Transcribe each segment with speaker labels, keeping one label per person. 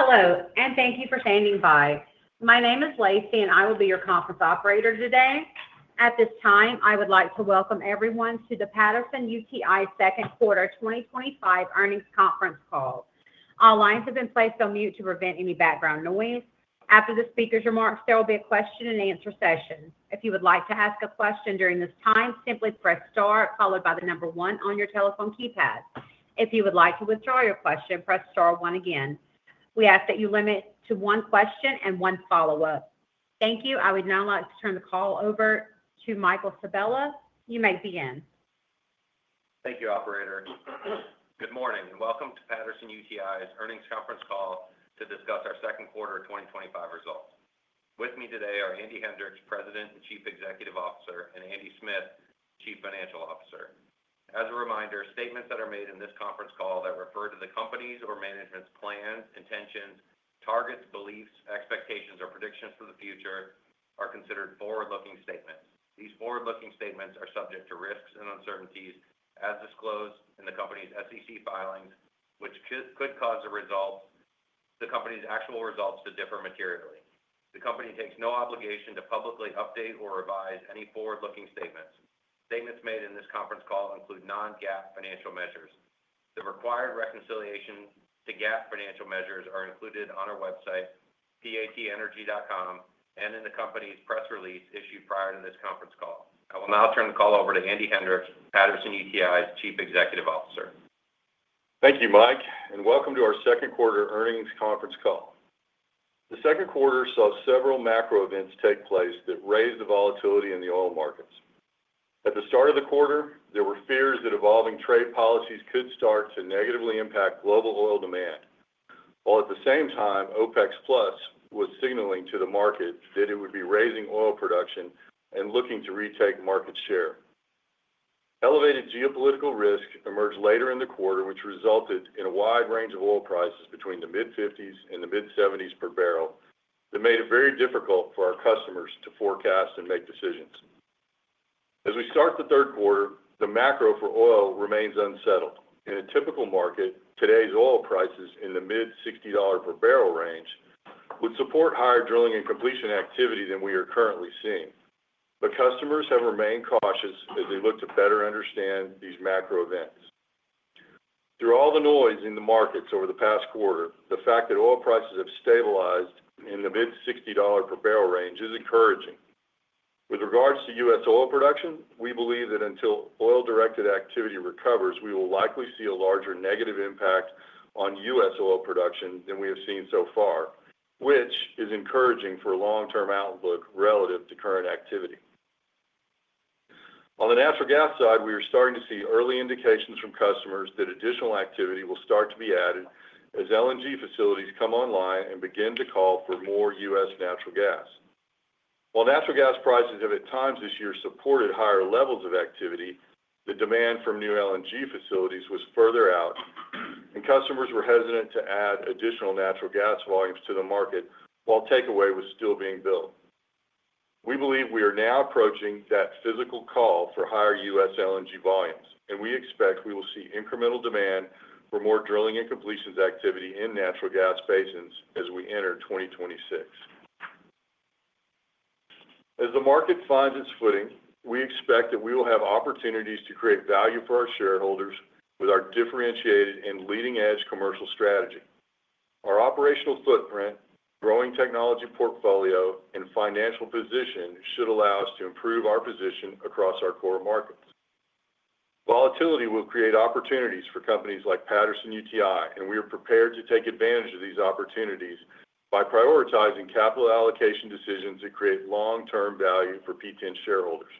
Speaker 1: Hello, and thank you for standing by. My name is Lacey, and I will be your conference operator today. At this time, I would like to welcome everyone to the Patterson UTI Second Quarter twenty twenty five Earnings Conference Call. All lines have been placed on mute to prevent any background noise. After the speakers' remarks, there will be a question and answer session. We ask that you limit to one question and one follow-up. Thank you. I would now like to turn the call over to Michael Sabella. You may begin.
Speaker 2: Thank you, operator. Good morning, and welcome to Patterson UTI's earnings conference call to discuss our second quarter twenty twenty five results. With me today are Andy Hendricks, President and Chief Executive Officer and Andy Smith, Chief Financial Officer. As a reminder, statements that are made in this conference call that refer to the company's or management's plans, intentions, targets, beliefs, expectations or predictions for the future are considered forward looking statements. These forward looking statements are subject to risks and uncertainties as disclosed in the company's SEC filings, which could cause the results the company's actual results to differ materially. The company takes no obligation to publicly update or revise any forward looking statements. Statements made in this conference call include non GAAP financial measures. The required reconciliations to GAAP financial measures are included on our website, patenergy.com, and in the company's press release issued prior to this conference call. I will now turn the call over to Andy Hendricks, Patterson UTI's Chief Executive Officer.
Speaker 3: Thank you, Mike, and welcome to our second quarter earnings conference call. The second quarter saw several macro events take place that raised the volatility in the oil markets. At the start of the quarter, there were fears that evolving trade policies could start to negatively impact global oil demand, while at the same time, OPEC plus was signaling to the market that it would be raising oil production and looking to retake market share. Elevated geopolitical risk emerged later in the quarter, which resulted in a wide range of oil prices between the mid-50s and the mid-70s per barrel that made it very difficult for our customers to forecast and make decisions. As we start the third quarter, the macro for oil remains unsettled. In a typical market, today's oil prices in the mid-sixty dollars per barrel range would support higher drilling and completion activity than we are currently seeing. But customers have remained cautious as they look to better understand these macro events. Through all the noise in the markets over the past quarter, the fact that oil prices have stabilized in the mid-sixty dollars per barrel range is encouraging. With regards to U. S. Oil production, we believe that until oil directed activity recovers, will likely see a larger negative impact on U. S. Oil production than we have seen so far, which is encouraging for long term outlook relative to current activity. On the natural gas side, we are starting to see early indications from customers that additional activity will start to be added as LNG facilities come online and begin to call for more U. S. Natural gas. While natural gas prices have at times this year supported higher levels of activity, the demand from new LNG facilities was further out and customers were hesitant to add additional natural gas volumes to the market while takeaway was still being built. We believe we are now approaching that physical call for higher U. S. LNG volumes, and we expect we will see incremental demand for more drilling and completions activity in natural gas basins as we enter 2026. As the market finds its footing, we expect that we will have opportunities to create value for our shareholders with our differentiated and leading edge commercial strategy. Our operational footprint, growing technology portfolio and financial position should allow us to improve our position across our core markets. Volatility will create opportunities for companies like Patterson UTI and we are prepared to take advantage of these opportunities by prioritizing capital allocation decisions that create long term value for PTEN shareholders.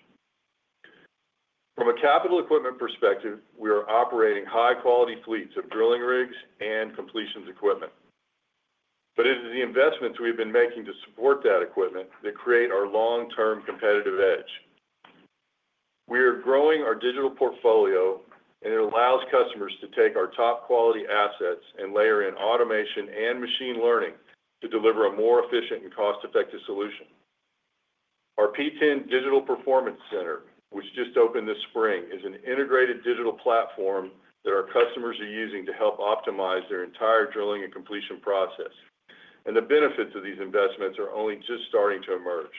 Speaker 3: From a capital equipment perspective, we are operating high quality fleets of drilling rigs and completions equipment. But it is the investments we've been making to support that equipment that create our long term competitive edge. We are growing our digital portfolio and it allows customers to take our top quality assets and layer in automation and machine learning to deliver a more efficient and cost effective solution. Our P10 Digital Performance Center, which just opened this spring, is an integrated digital platform that our customers are using to help optimize their entire drilling and completion process. And the benefits of these investments are only just starting to emerge.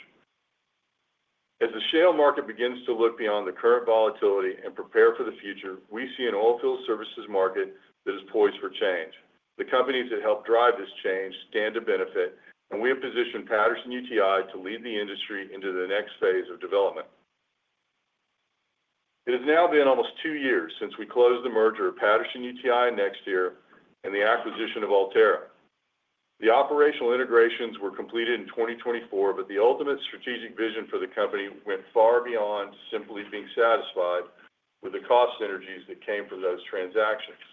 Speaker 3: As the shale market begins to look beyond the current volatility and prepare for the future, we see an oilfield services market that is poised for change. The companies that help drive this change stand to benefit and we have positioned Patterson UTI to lead the industry into the next phase of development. It has now been almost two years since we closed the merger of Patterson UTI and NexTier and the acquisition of Ultera. The operational integrations were completed in 2024, but the ultimate strategic vision for the company went far beyond simply being satisfied with the cost synergies that came from those transactions.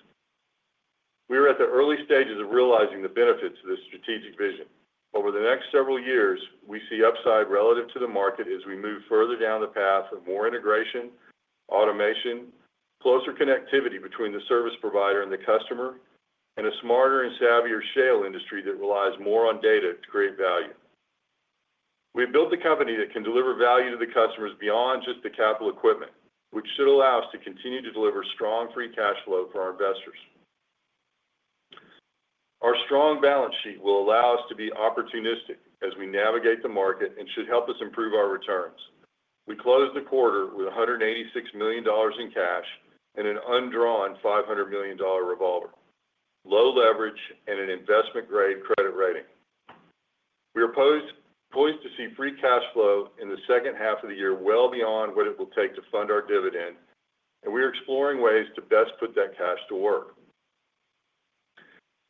Speaker 3: We are at the early stages of realizing the benefits of this strategic vision. Over the next several years, we see upside relative to the market as we move further down the path of more integration, automation, closer connectivity between the service provider and the customer, and a smarter and savvier shale industry that relies more on data to create value. We have built a company that can deliver value to the customers beyond just the capital equipment, which should allow us to continue to deliver strong free cash flow for our investors. Our strong balance sheet will allow us to be opportunistic as we navigate the market and should help us improve our returns. We closed the quarter with $186,000,000 in cash and an undrawn $500,000,000 revolver, low leverage and an investment grade credit rating. We are poised to see free cash flow in the second half of the year well beyond what it will take to fund our dividend and we are exploring ways to best put that cash to work.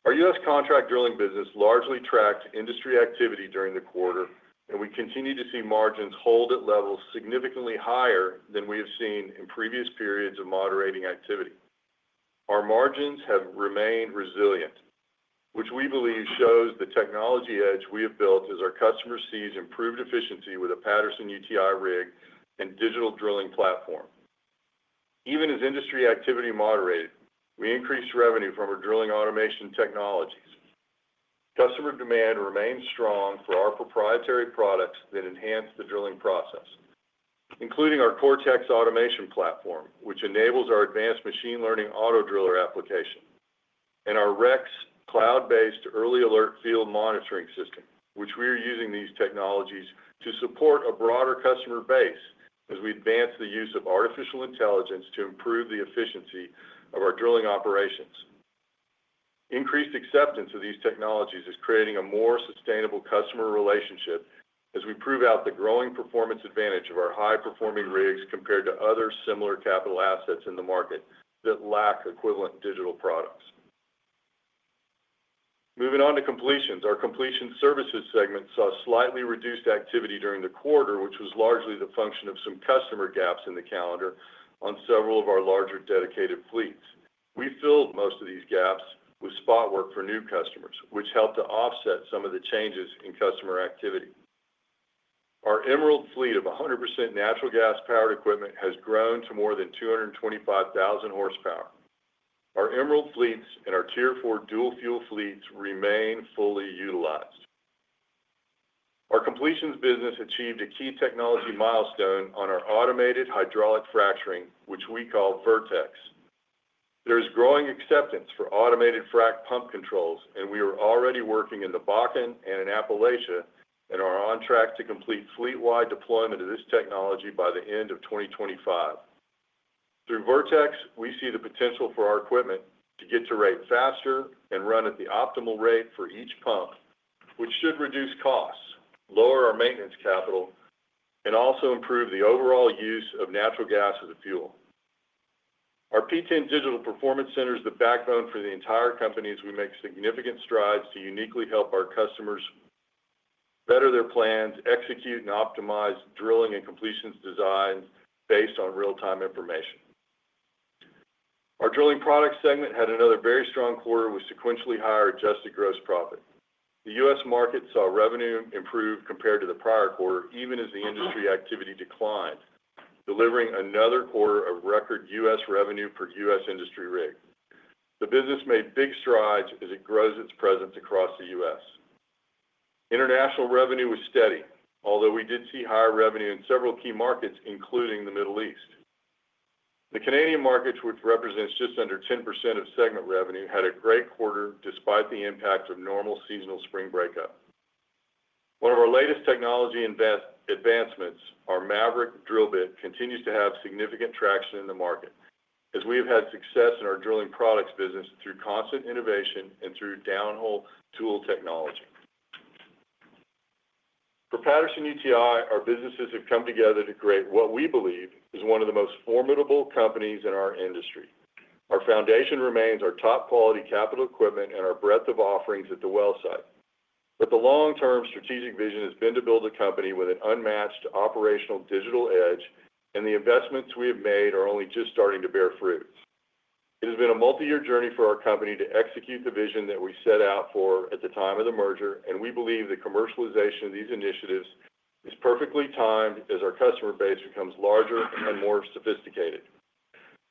Speaker 3: Our U. S. Contract drilling business largely tracked industry activity during the quarter and we continue to see margins hold at levels significantly higher than we have seen in previous periods of moderating activity. Our margins have remained resilient, which we believe shows the technology edge we have built with the Patterson UTI rig and digital drilling platform. Even as industry activity moderated, we increased revenue from our drilling automation technologies. Customer demand remains strong for our proprietary products that enhance the drilling process, including our Cortex automation platform, which enables our advanced machine learning auto driller application and our REX cloud based early alert field monitoring system, which we are using these technologies to support a broader customer base as we advance the use of artificial intelligence to improve the efficiency of our drilling operations. Increased acceptance of these technologies is creating a more sustainable customer relationship as we prove out the growing performance advantage of our high performing rigs compared to other similar capital assets in the market that lack equivalent digital products. Moving on to Completions. Our Completion Services segment saw slightly reduced activity during the quarter, which was largely the function of some customer gaps in the calendar on several of our larger dedicated fleets. We filled most of these gaps with spot work for new customers, which helped to offset some of the changes in customer activity. Our Emerald fleet of 100% natural gas powered equipment has grown to more than 225,000 horsepower. Our Emerald fleets and our Tier four dual fuel fleets remain fully utilized. Our completions business achieved a key technology milestone on our automated hydraulic fracturing, which we call Vertex. There is growing acceptance for automated frac pump controls and we are already working in the Bakken and in Appalachia and are on track to complete fleet wide deployment of this technology by the end of twenty twenty five. Through Vertex, we see the potential for our equipment to get to rate faster and run at the optimal rate for each pump, which should reduce costs, lower our maintenance capital and also improve the overall use of natural gas as a fuel. Our P10 Digital Performance Center is the backbone for the entire company as we make significant strides to uniquely help our customers better their plans, execute and optimize drilling and completions design based on real time information. Our Drilling Products segment had another very strong quarter with sequentially higher adjusted gross profit. The U. S. Market saw revenue improve compared to the prior quarter even as the industry activity declined, delivering another quarter of record U. S. Revenue per U. S. Industry rig. The business made big strides as it grows its presence across The U. S. International revenue was steady, although we did see higher revenue in several key markets including The Middle East. The Canadian markets, which represents just under 10% of segment revenue, had a great quarter despite the impact of normal seasonal spring breakup. One of our latest technology advancements, our Maverick drill bit continues to have significant traction in the market as we have had success in our drilling products business through constant innovation and through downhole tool technology. For Patterson UTI, our businesses have come together to create what we believe is one of the most formidable companies in our industry. Our foundation remains our top quality capital equipment and our breadth of offerings at the well site. But the long term strategic vision has been to build a company with an unmatched operational digital edge and the investments we have made are only just starting to bear fruit. It has been a multi year journey for our company to execute the vision that we set out for at the time of the merger and we believe the commercialization of these initiatives is perfectly timed as our customer base becomes larger and more sophisticated.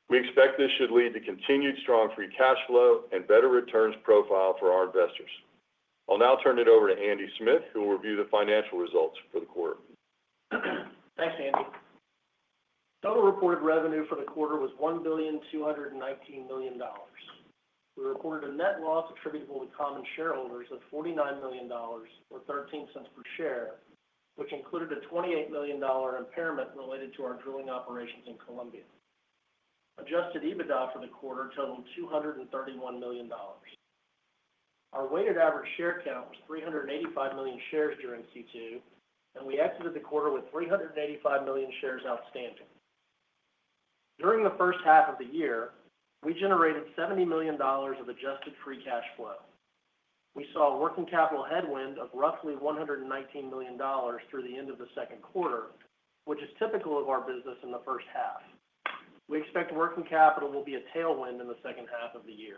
Speaker 3: We expect this should lead to continued strong free cash flow and better returns profile for our investors. I'll now turn it over to Andy Smith, who will review the financial results for the quarter.
Speaker 4: Thanks, Andy. Total reported revenue for the quarter was $1,219,000,000 We recorded a net loss attributable to common shareholders of $49,000,000 or $0.13 per share, which included a $28,000,000 impairment related to our drilling operations in Colombia. Adjusted EBITDA for the quarter totaled $231,000,000 Our weighted average share count was $385,000,000 shares during Q2 and we exited the quarter with $385,000,000 shares outstanding. During the first half of the year, we generated $70,000,000 of adjusted free cash flow. We saw a working capital headwind of roughly $119,000,000 through the end of the second quarter, which is typical of our business in the first half. We expect working capital will be a tailwind in the second half of the year.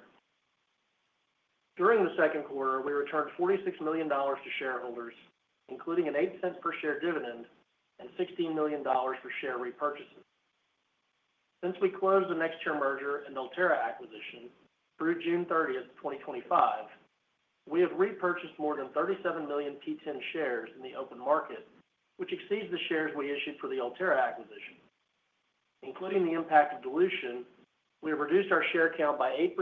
Speaker 4: During the second quarter, we returned $46,000,000 to shareholders including an zero eight dollars per share dividend and $16,000,000 for share repurchases. Since we closed the NexTier merger and Ultera acquisition through 06/30/2025, we have repurchased more than 37,000,000 P10 shares in the open market, which exceeds the shares we issued for the Ultera acquisition. Including the impact of dilution, we have reduced our share count by 8%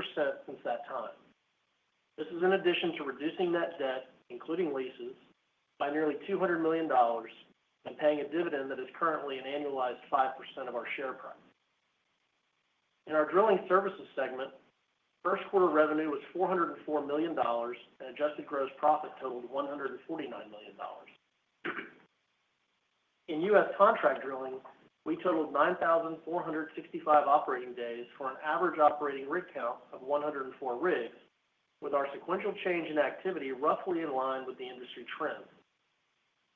Speaker 4: since that time. This is in addition to reducing net debt, including leases, by nearly $200,000,000 and paying a dividend that is currently an annualized 5% of our share price. In our Drilling Services segment, first quarter revenue was $4.00 $4,000,000 and adjusted gross profit totaled $149,000,000 In U. S. Contract drilling, we totaled nine thousand four hundred and sixty five operating days for an average operating rig count of 104 rigs with our sequential change in activity roughly in line with the industry trend.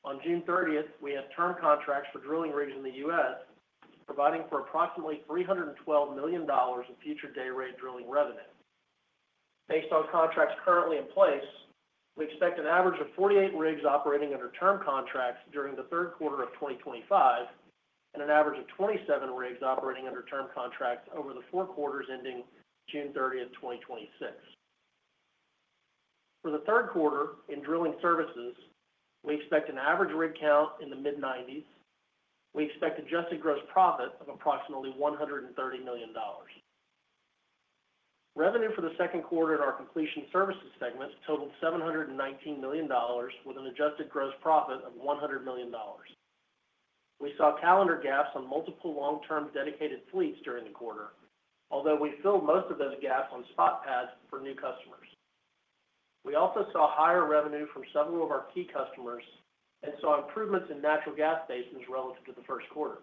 Speaker 4: On June 30, we had term contracts for drilling rigs in The U. S. Providing for approximately $312,000,000 of future day rate drilling revenue. Based on contracts currently in place, we expect an average of 48 rigs operating under term contracts during the 2025 and an average of 27 rigs operating under term contracts over the four quarters ending 06/30/2026. For the third quarter in drilling services, we expect an average rig count in the mid-90s. We expect adjusted gross profit of approximately $130,000,000 Revenue for the second quarter in our Completion Services segment totaled $719,000,000 with an adjusted gross profit of $100,000,000 We saw calendar gaps on multiple long term dedicated fleets during the quarter, although we filled most of those gaps on spot pads for new customers. We also saw higher revenue from several of our key customers and saw improvements in natural gas basins relative to the first quarter.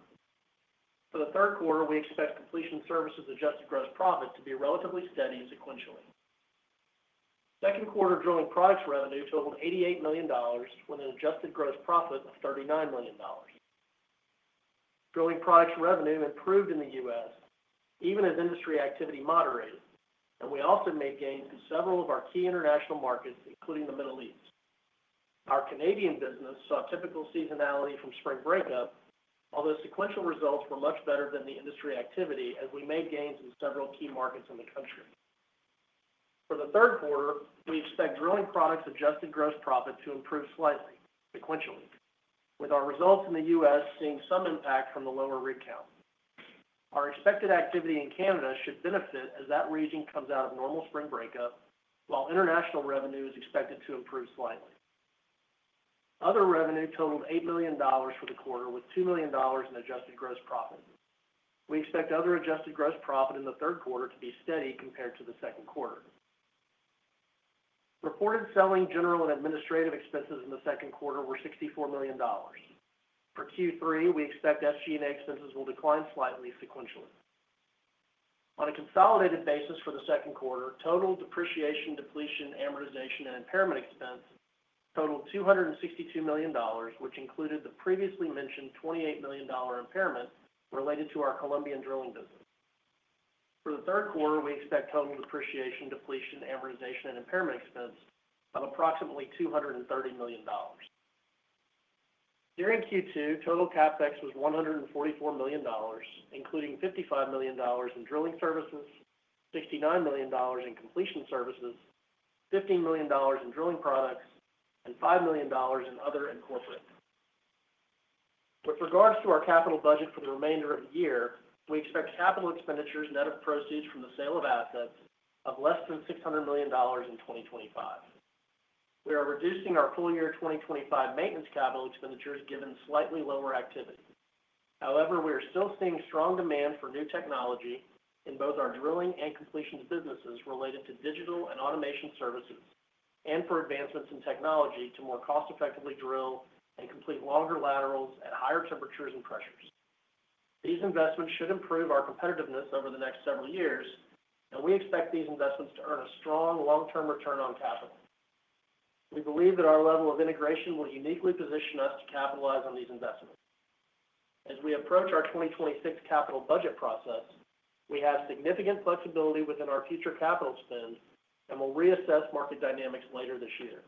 Speaker 4: For the third quarter, we expect completion services adjusted gross profit to be relatively steady sequentially. Second quarter drilling products revenue totaled $88,000,000 with an adjusted gross profit of $39,000,000 Drilling products revenue improved in The U. S. Even as industry activity moderated and we also made gains in several of our key international markets including The Middle East. Our Canadian business saw typical seasonality from spring breakup, although sequential results were much better than the industry activity as we made gains in several key markets in the country. For the third quarter, we expect Drilling Products adjusted gross profit to improve slightly sequentially with our results in The U. S. Seeing some impact from the lower rig count. Our expected activity in Canada should benefit as that region comes out of normal spring breakup while international revenue is expected to improve slightly. Other revenue totaled $8,000,000 for the quarter with $2,000,000 in adjusted gross profit. We expect other adjusted gross profit in the third quarter to be steady compared to the second quarter. Reported selling, general and administrative expenses in the second quarter were $64,000,000 For Q3, we expect SG and A expenses will decline slightly sequentially. On a consolidated basis for the second quarter, total depreciation, depletion, amortization and impairment expense totaled $262,000,000 which included the previously mentioned $28,000,000 impairment related to our Colombian drilling business. For the third quarter, we expect total depreciation, depletion, amortization and impairment expense of approximately $230,000,000 During Q2, total CapEx was $144,000,000 including $55,000,000 in drilling services, dollars 69,000,000 in completion services, dollars 15,000,000 in drilling products and $5,000,000 in other and corporate. With regards to our capital budget for the remainder of the year, we expect capital expenditures net of proceeds from the sale of assets of less than $600,000,000 in 2025. We are reducing our full year 2025 maintenance capital expenditures given slightly lower activity. However, we are still seeing strong demand for new technology in both our drilling and completions businesses related to digital and automation services and for advancements in technology to more cost effectively drill and complete longer laterals at higher temperatures and pressures. These investments should improve our competitiveness over the next several years and we expect these investments to earn a strong long term return on capital. We believe that our level of integration will uniquely position us to capitalize on these investments. As we approach our 2026 capital budget process, we have significant flexibility within our future capital spend and will reassess market dynamics later this year.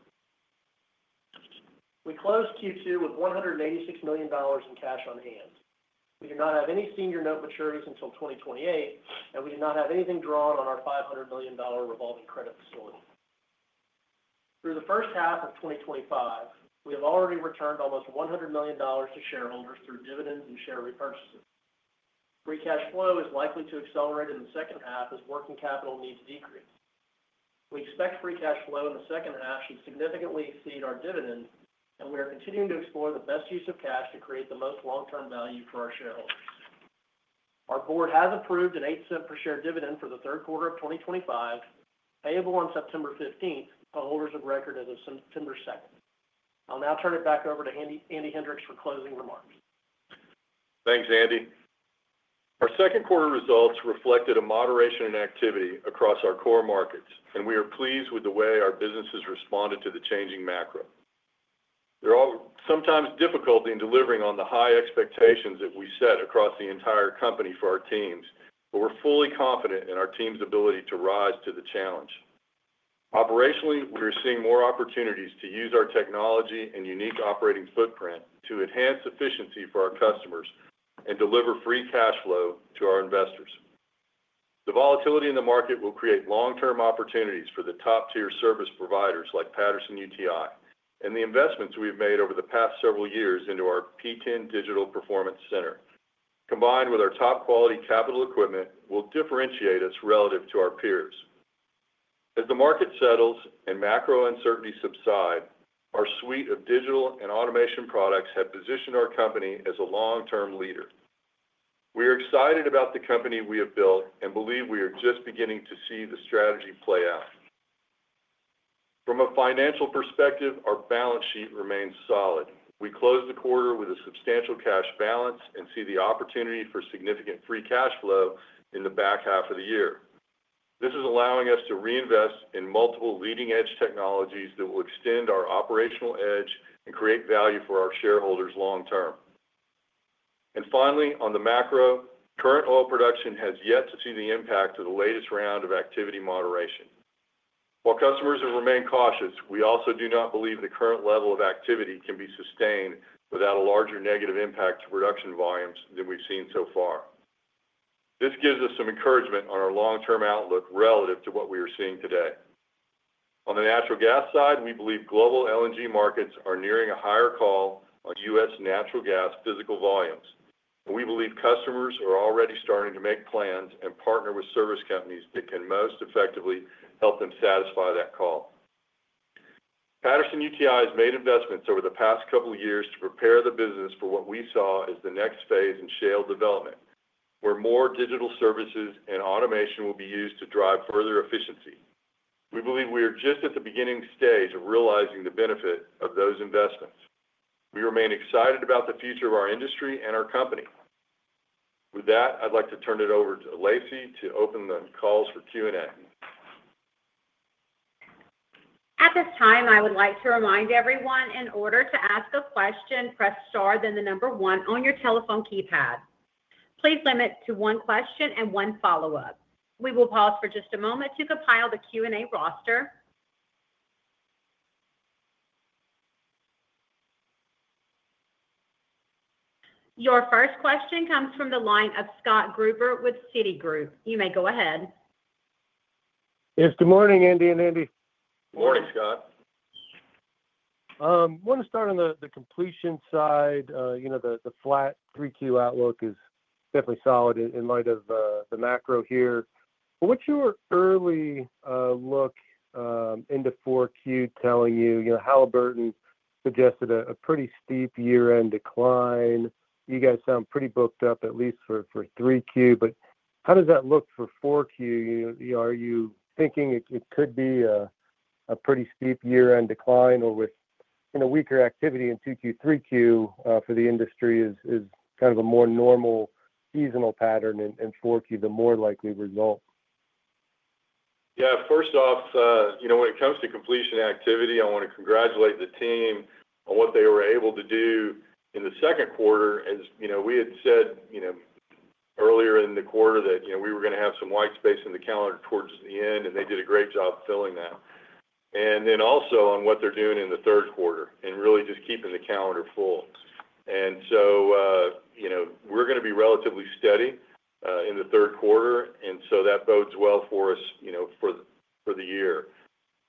Speaker 4: We closed Q2 with $186,000,000 in cash on hand. We do not have any senior note maturities until 2028 and we do not have anything drawn on our 500,000,000 revolving credit facility. Through the first half of twenty twenty five, we have already returned almost $100,000,000 to shareholders through dividends and share repurchases. Free cash flow is likely to accelerate in the second half as working capital needs decrease. We expect free cash flow in the second half should significantly exceed our dividend and we are continuing to explore the best use of cash to create the most long term value for our shareholders. Our Board has approved an $8 per share dividend for the 2025 payable on September 15 to holders of record as of September 2. I'll now turn it back over to Andy Hendrix for closing remarks.
Speaker 3: Thanks, Andy. Our second quarter results reflected a moderation in activity across our core markets and we are pleased with the way our business has responded to the changing macro. They're all sometimes difficult in delivering on the high expectations that we set across the entire company for our teams, but we're fully confident in our team's ability to rise to the challenge. Operationally, we are seeing more opportunities to use our technology and unique operating footprint to enhance efficiency for our customers and deliver free cash flow to our investors. The volatility in the market will create long term opportunities for the top tier service providers like Patterson UTI and the investments we've made over the past several years into our P10 digital performance center, combined with our top quality capital equipment, will differentiate us relative to our peers. As the market settles and macro uncertainties subside, our suite of digital and automation products have positioned our company as a long term leader. We are excited about the company we have built and believe we are just beginning to see the strategy play out. From a financial perspective, our balance sheet remains solid. We closed the quarter with a substantial cash balance and see the opportunity for significant free cash flow in the back half of the year. This is allowing us to reinvest in multiple leading edge technologies that will extend our operational edge and create value for our shareholders long term. And finally, on the macro, current oil production has yet to see the impact of the latest round of activity moderation. While customers have remained cautious, we also do not believe the current level of activity can be sustained without a larger negative impact to production volumes than we've seen so far. This gives us some encouragement on our long term outlook relative to what we are seeing today. On the natural gas side, we believe global LNG markets are nearing a higher call on U. S. Natural gas physical volumes. And we believe customers are already starting to make plans and partner with service companies that can most effectively help them satisfy that call. Patterson UTI has made investments over the past couple of years to prepare the business for what we saw as the next phase in shale development, where more digital services and automation will be used to drive further efficiency. We believe we are just at the beginning stage of realizing the benefit of those investments. We remain excited about the future of our industry and our company. With that, I'd like to turn it over to Lacey to open the calls for Q and A.
Speaker 1: Your first question comes from the line of Scott Gruber with Citigroup. You may go ahead.
Speaker 5: Yes. Good morning, Andy and Andy.
Speaker 3: Good morning, Scott.
Speaker 5: Wanna start on the the completion side. You know, the the flat three q outlook is definitely solid in in light of the the macro here. What's your early look into 4Q telling you? Halliburton suggested a pretty steep year end decline. You guys sound pretty booked up at least for 3Q, but how does that look for 4Q? Are you thinking it could be a pretty steep year end decline or with weaker activity in 2Q, 3Q for the industry is kind of a more normal seasonal pattern and and 4Q the more likely result?
Speaker 3: Yeah. First off, you know, when it comes to completion activity, I wanna congratulate the team on what they were able to do in the second quarter. As, you know, we had said, you know, earlier in the quarter that we were going to have some white space in the calendar towards the end and they did a great job filling that. And then also on what they're doing in the third quarter and really just keeping the calendar full. And so we're going to be relatively steady in the third quarter and so that bodes well for us for the year.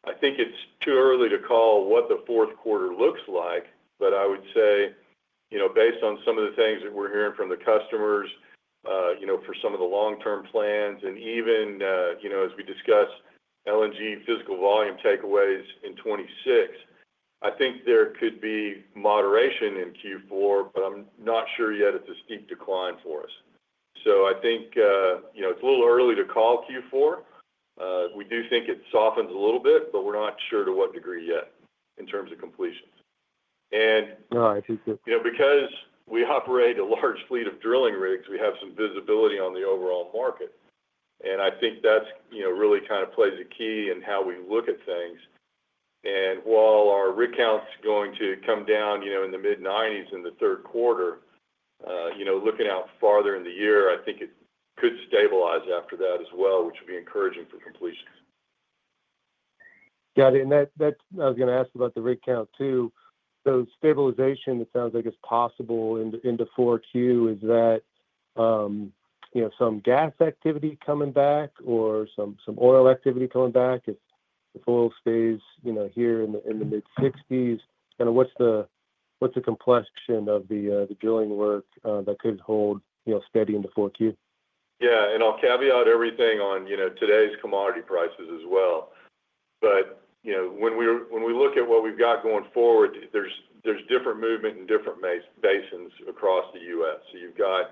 Speaker 3: I think it's too early to call what the fourth quarter looks like, but I would say based on some of the things that we're hearing from the customers for some of the long term plans and even as we discussed LNG physical volume takeaways in '26, I think there could be moderation in Q4, but I'm not sure yet it's a steep decline for us. So I think, you know, it's a little early to call q four. We do think it softens a little bit, but we're not sure to what degree yet in terms of completion. And
Speaker 5: No. I see.
Speaker 3: You know, because we operate a large fleet of drilling rigs, we have some visibility on the overall market. And I think that's, you know, really kind of plays a key in how we look at things. And while our rig count's going to come down, you know, in the mid nineties in the third quarter, you know, looking out farther in the year, I think it could stabilize after that as well, which would be encouraging for completion.
Speaker 5: Got it. And that that I was gonna ask about the rig count too. So stabilization, it sounds like it's possible in the in the four q. Is that, you know, some gas activity coming back or some some oil activity coming back if if oil stays, you know, here in the in the mid sixties? And what's the what's the complexion of the drilling work that could hold steady in the 4Q?
Speaker 3: Yes. And I'll caveat everything on today's commodity prices as well. But when look at what we've got going forward, there's different movement in different basins across The U. S. So you've got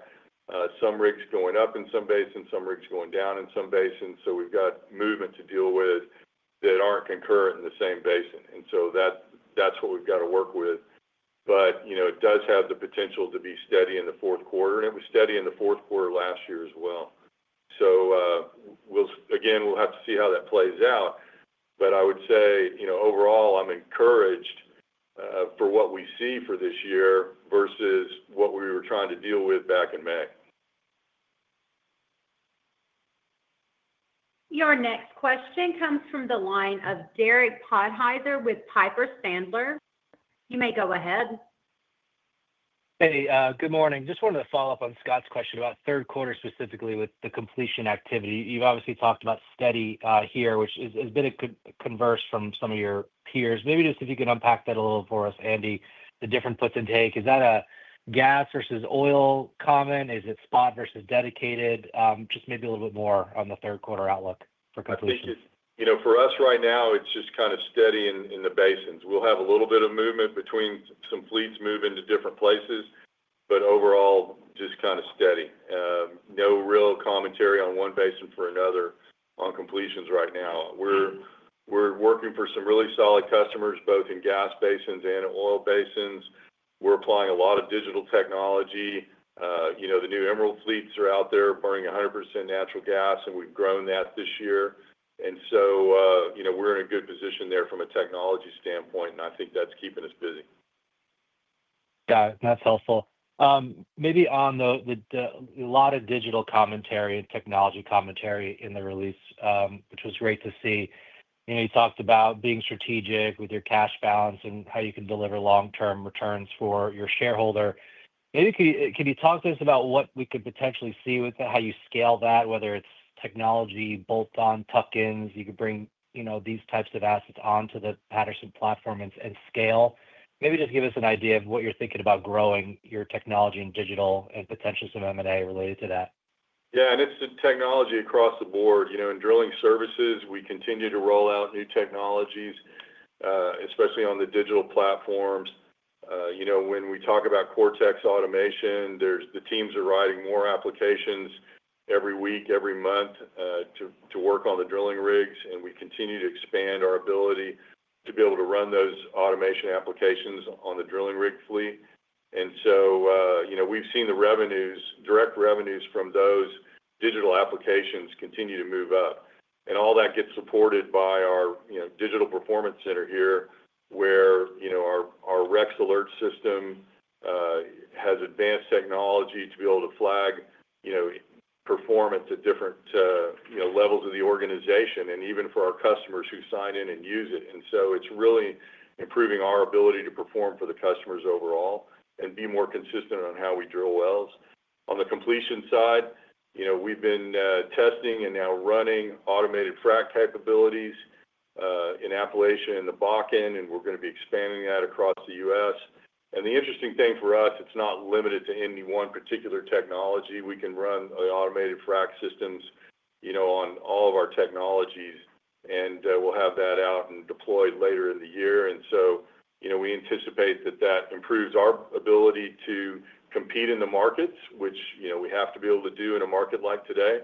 Speaker 3: some rigs going up in some basins, some rigs going down in some basins. So we've got movement to deal with that aren't concurrent in the same basin. And so that's what we've got to work with. But, you know, it does have the potential to be steady in the fourth quarter, and it was steady in the fourth quarter last year as well. So we'll again, we'll have to see how that plays out. But I would say, you know, overall, I'm encouraged for what we see for this year versus what we were trying to deal with back in May.
Speaker 1: Your next question comes from the line of Derek Potheiser with Piper Sandler. You may go ahead.
Speaker 6: Hey, good morning. Just wanted to follow-up on Scott's question about third quarter specifically with the completion activity. You've obviously talked about steady here, which has been a converse from some of your peers. Maybe just if you can unpack that a little for us, Andy, the different puts and takes. Is that a gas versus oil common? Is it spot versus dedicated? Just maybe a little bit more on the third quarter outlook for completion.
Speaker 3: For us right now, it's just kind of steady in the basins. We'll have a little bit of movement between some fleets moving to different places, but overall just kind of steady. No real commentary on one basin for another on completions right now. We're working for some really solid customers both in gas basins and oil basins. We're applying a lot of digital technology. The new Emerald fleets are out there burning 100% natural gas and we've grown that this year. And so we're in a good position there from a technology standpoint and I think that's keeping us busy.
Speaker 6: Got it. That's helpful. Maybe on the the the a lot of digital commentary and technology commentary in the release, which was great to see. You know, you talked about being strategic with your cash balance and how you can deliver long term returns for your shareholder. Maybe can you talk to us about what we could potentially see with how you scale that, whether it's technology, bolt on, tuck ins, you could bring these types of assets onto the Patterson platform and scale? Maybe just give us an idea of what you're thinking about growing your technology in digital and potentially some M and A related to that?
Speaker 3: Yes. And it's the technology across the board. In drilling services, we continue to roll out new technologies especially on the digital platforms. You know, when we talk about Cortex automation, there's the teams are writing more applications every week, every month to work on the drilling rigs and we continue to expand our ability to be able to run those automation applications on the drilling rig fleet. And so we've seen the revenues, direct revenues from those digital applications continue to move up. And all that gets supported by our digital performance center here where our Rex Alert system has advanced technology to be able to flag performance at different levels of the organization and even for our customers who sign in and use it. And so it's really improving our ability to perform for the customers overall and be more consistent on how we drill wells. On the completion side, we've been testing and now running automated frac capabilities in Appalachia and The Bakken and we're going be expanding that across The U. S. And the interesting thing for us, it's not limited to any one particular technology. We can run automated frac systems on all of our technologies and we'll have that out and deployed later in the year. And so we anticipate that that improves our ability to compete in the markets, which we have to be able to do in a market like today,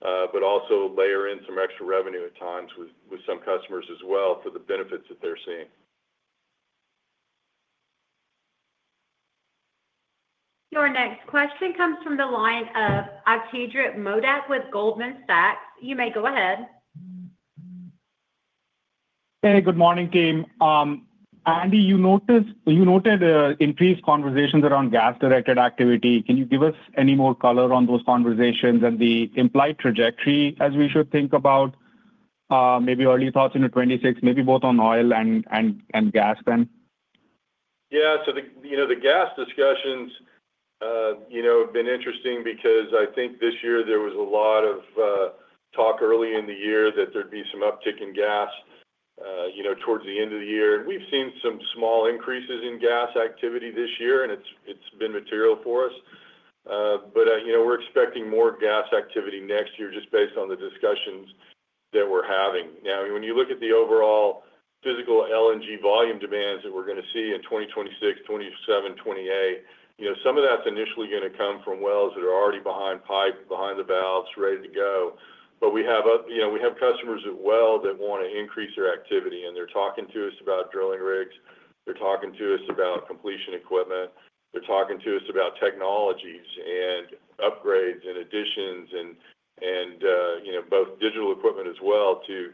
Speaker 3: but also layer in some extra revenue at times with some customers as well for the benefits that they're seeing.
Speaker 1: Your next question comes from the line of Akeedra Modak with Goldman Sachs. You may go ahead.
Speaker 7: Hey. Good morning, team. Andy, you noticed you noted, increased conversations around gas directed activity. Can you give us any more color on those conversations and the implied trajectory trajectory as we should think about maybe early thoughts in the '26 maybe both on oil and gas then?
Speaker 3: Yes. So the gas discussions have been interesting because I think this year there was a lot of talk early in the year that there'd be some uptick in gas towards the end of the year. We've seen some small increases in gas activity this year and it's been material for us. But we're expecting more gas activity next year just based on the discussions that we're having. Now when you look at the overall physical LNG volume demands that we're going to see in 2026, 2027, 2028, some of that's initially going to come from wells that are already behind pipe, behind the valves, ready to go. But we have a you know, we have customers at well that wanna increase their activity, and they're talking to us about drilling rigs. They're talking to us about completion equipment. They're talking to us about technologies and upgrades and additions and and both digital equipment as well to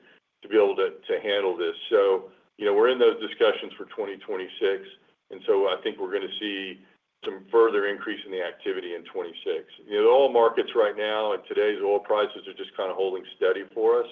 Speaker 3: be able to handle this. So we're in those discussions for 2026. And so I think we're going to see some further increase in the activity in 2026. In all markets right now and today's oil prices are just kind of holding steady for us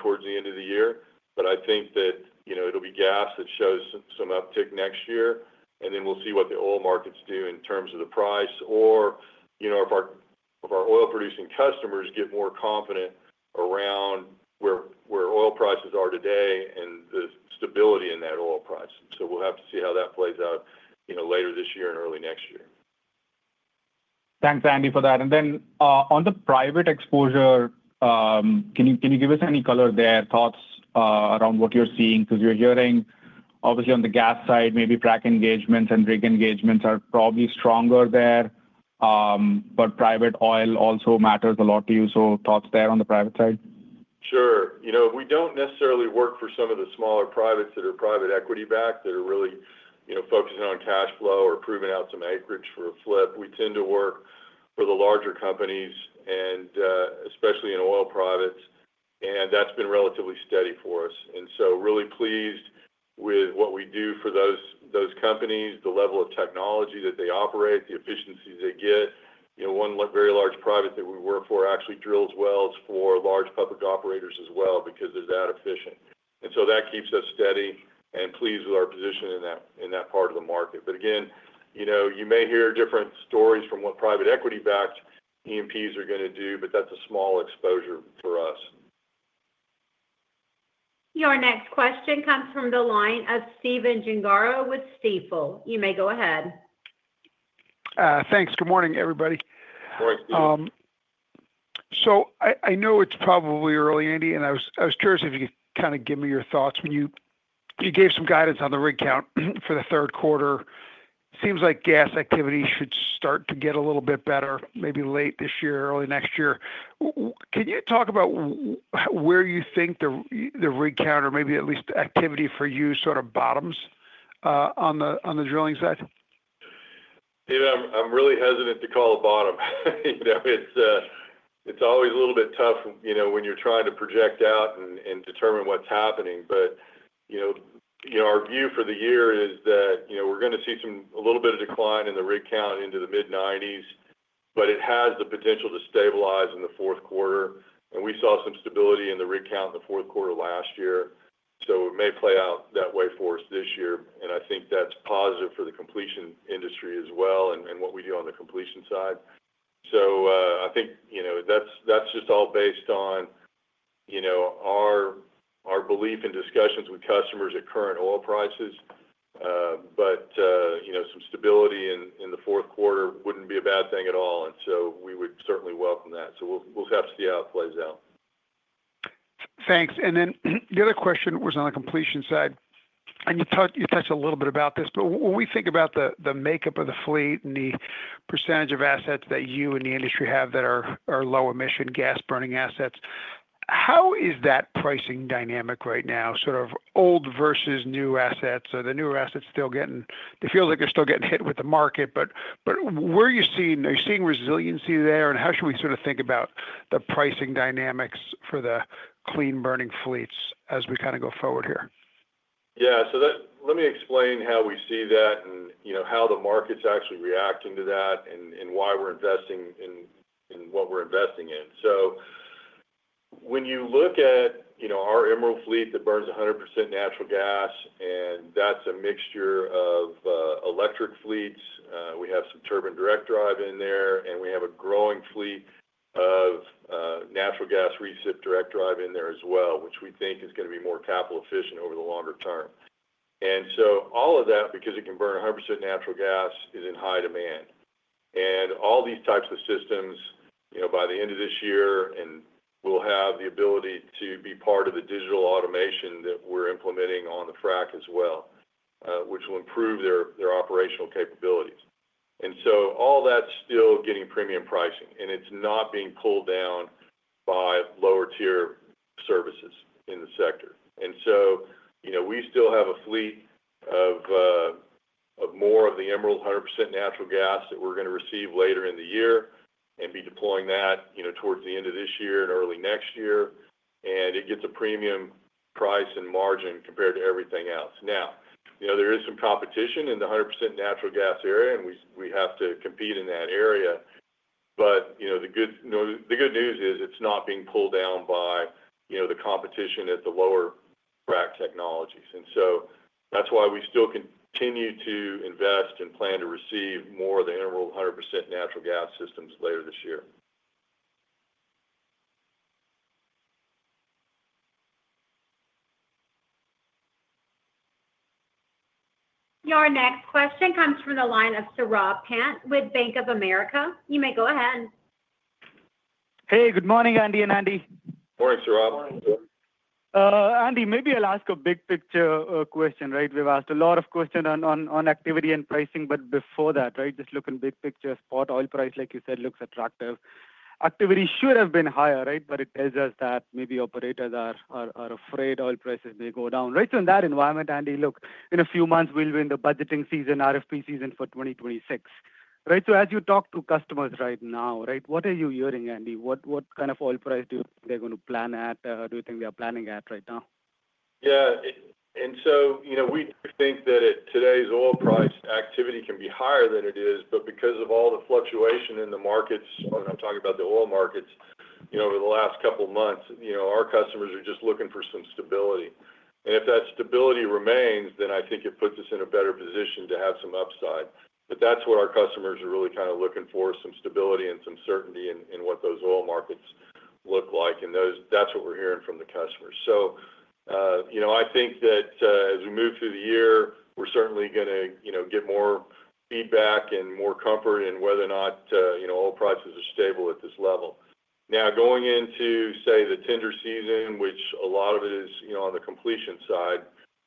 Speaker 3: towards the end of the year. But I think that it will be gas that shows some uptick next year and then we'll see what the oil markets do in terms of the price or our oil producing customers get more confident around where where oil prices are today and the stability in that oil price. So we'll have to see how that plays out, you know, later this year and early next year.
Speaker 7: Thanks, Andy, for that. And then on the private exposure, can you can you give us any color there, thoughts around what you're seeing? Because you're hearing, obviously, on the gas side, maybe track engagements and rig engagements are probably stronger there, but private oil also matters a lot to you. So thoughts there on the private side?
Speaker 3: Sure. We don't necessarily work for some of the smaller privates that are private equity backed that are really focusing on cash flow or proving out some acreage for a flip. We tend to work for the larger companies and especially in oil products and that's been relatively steady for us. And so really pleased with what we do for those companies, the level of technology that they operate, the efficiencies they get. One very large private that we work for actually drills wells for large public operators as well because they're that efficient. And so that keeps us steady and pleased with our position in that part of the market. But again, you may hear different stories from what private equity backed E and Ps are going to do, but that's a small exposure for us.
Speaker 1: Your next question comes from the line of Stephen Gengaro with Stifel. You may go ahead.
Speaker 8: Thanks. Good morning, everybody. So I know it's probably early, Andy, and I was curious if you could kind of give me your thoughts. When you gave some guidance on the rig count for the third quarter, seems like gas activity should start to get a little bit better maybe late this year, early next year. Can you talk about where you think the rig count or maybe at least activity for you sort of bottoms on the drilling side?
Speaker 3: I'm really hesitant to call a bottom. It's always a little bit tough when you're trying to project out and determine what's happening. But our view for the year is that we're going to see some a little bit of decline in the rig count into the mid-90s, but it has the potential to stabilize in the fourth quarter. And we saw some stability in the rig count in the fourth quarter last year. So it may play out that way for us this year. And I think that's positive for the completion industry as well and what we do on the completion side. So I think that's just all based on our belief in discussions with customers at current oil prices. But some stability the fourth quarter wouldn't be a bad thing at all. And so we would certainly welcome that. So we'll have to see how it plays out.
Speaker 8: Thanks. And then the other question was on the completion side. And you touched a little bit about this. But when we think about the makeup of the fleet and the percentage of assets that you and the industry have that are low emission gas burning assets, how is that pricing dynamic right now sort of old versus new assets? Are the newer assets still getting feels like they're still getting hit with the market, but but where are you seeing are you seeing resiliency there? And how should we sort of think about the pricing dynamics for the clean burning fleets as we kind of go forward here?
Speaker 3: Yeah. So that let me explain how we see that and, you know, how the market's actually reacting to that and and why we're investing in in what we're investing in. So when you look at, you know, our Emerald fleet that burns a 100% natural gas, and that's a mixture of electric fleets. We have some turbine direct drive in there and we have a growing fleet of natural gas recip direct drive in there as well, which we think is going to be more capital efficient over the longer term. And so all of that, because it can burn 100% natural gas, is in high demand. And all these types of systems, you know, by the end of this year, and we'll have the ability to be part of the digital automation that we're implementing on the frac as well, which will improve their their operational capabilities. And so all that's still getting premium pricing, and it's not being pulled down by lower tier services in the sector. And so, you know, we still have a fleet of more of the Emerald 100% natural gas that we're going to receive later in the year and be deploying that towards the end of this year and early next year. And it gets a premium price and margin compared to everything else. Now there is some competition in the 100% natural gas area and we have to compete in that area. But the good news is it's not being pulled down by the competition at the lower frac technologies. And so that's why we still continue to invest and plan to receive more of the Emerald 100% natural gas systems later this year.
Speaker 1: Your next question comes from the line of Saurabh Pant with Bank of America. You may go ahead.
Speaker 9: Hey. Good morning, Andy and Andy.
Speaker 3: Good morning, Saurabh.
Speaker 4: Good morning.
Speaker 9: Andy, maybe I'll ask a big picture question. Right? We've asked a lot of question on on on activity and pricing, but before that, right, just looking big picture spot oil price, like you said, looks attractive. Activity should have been higher. Right? But it tells us that maybe operators are are are afraid oil prices may go down. Right? So in that environment, Andy, look, in a few months, we'll win the budgeting season, RFP season for 2026. Right? So as you talk to customers right now, right, what are you hearing, Andy? What what kind of oil price do they're gonna plan at? Do you think they are planning at right now?
Speaker 3: Yes. And so we think that today's oil price activity can be higher than it is, but because of all the fluctuation in the markets, I'm talking about the oil markets over the last couple of months, our customers are just looking for some stability. And if that stability remains, then I think it puts us in a better position to have some upside. But that's what our customers are really kind of looking for some stability and some certainty in what those oil markets look like and those that's what we're hearing from the customers. I think that as we move through the year, we're certainly going to get more feedback and more comfort in whether or not oil prices are stable at this level. Now going into say the tender season, which a lot of it is on the completion side,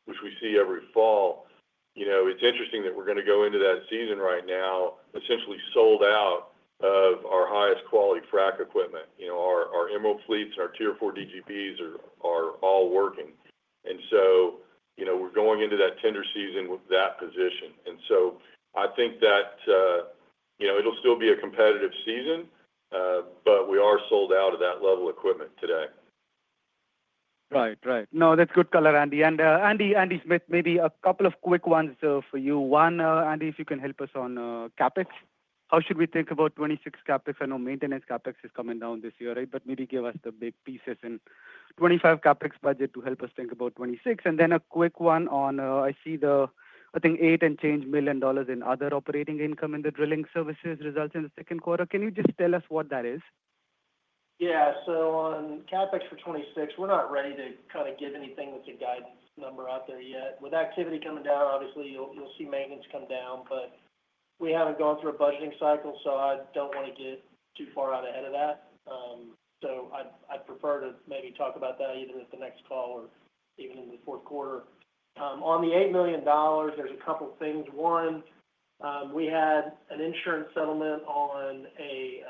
Speaker 3: which we see every fall, it's interesting that we're going to go into that season right now essentially sold out of our highest quality frac equipment. Our Emerald fleets, Tier four DGBs are all working. And so, you know, we're going into that tender season with that position. And so I think that, you know, it'll still be a competitive season, but we are sold out of that level equipment today.
Speaker 9: Right. Right. No. That's good color, Andy. And, Andy Andy Smith, maybe a couple of quick ones for you. One, Andy, if you can help us on, CapEx. How should we think about 26 CapEx? I know maintenance CapEx is coming down this year. Right? But maybe give us the big pieces and 25 CapEx budget to help us think about '26. And then a quick one on, I see the, I think, 8 and change million in other operating income in the drilling services results in the second quarter. Can you just tell us what that is?
Speaker 4: Yeah. So on CapEx for '26, we're not ready to kinda give anything with the guidance number out there yet. With activity coming down, obviously, you'll you'll see maintenance come down, but we haven't gone through a budgeting cycle, so I don't wanna get too far out ahead of that. So I'd I'd prefer to maybe talk about that either at the next call or even in the fourth quarter. On the $8,000,000, there's a couple of things. One, we had an insurance settlement on a,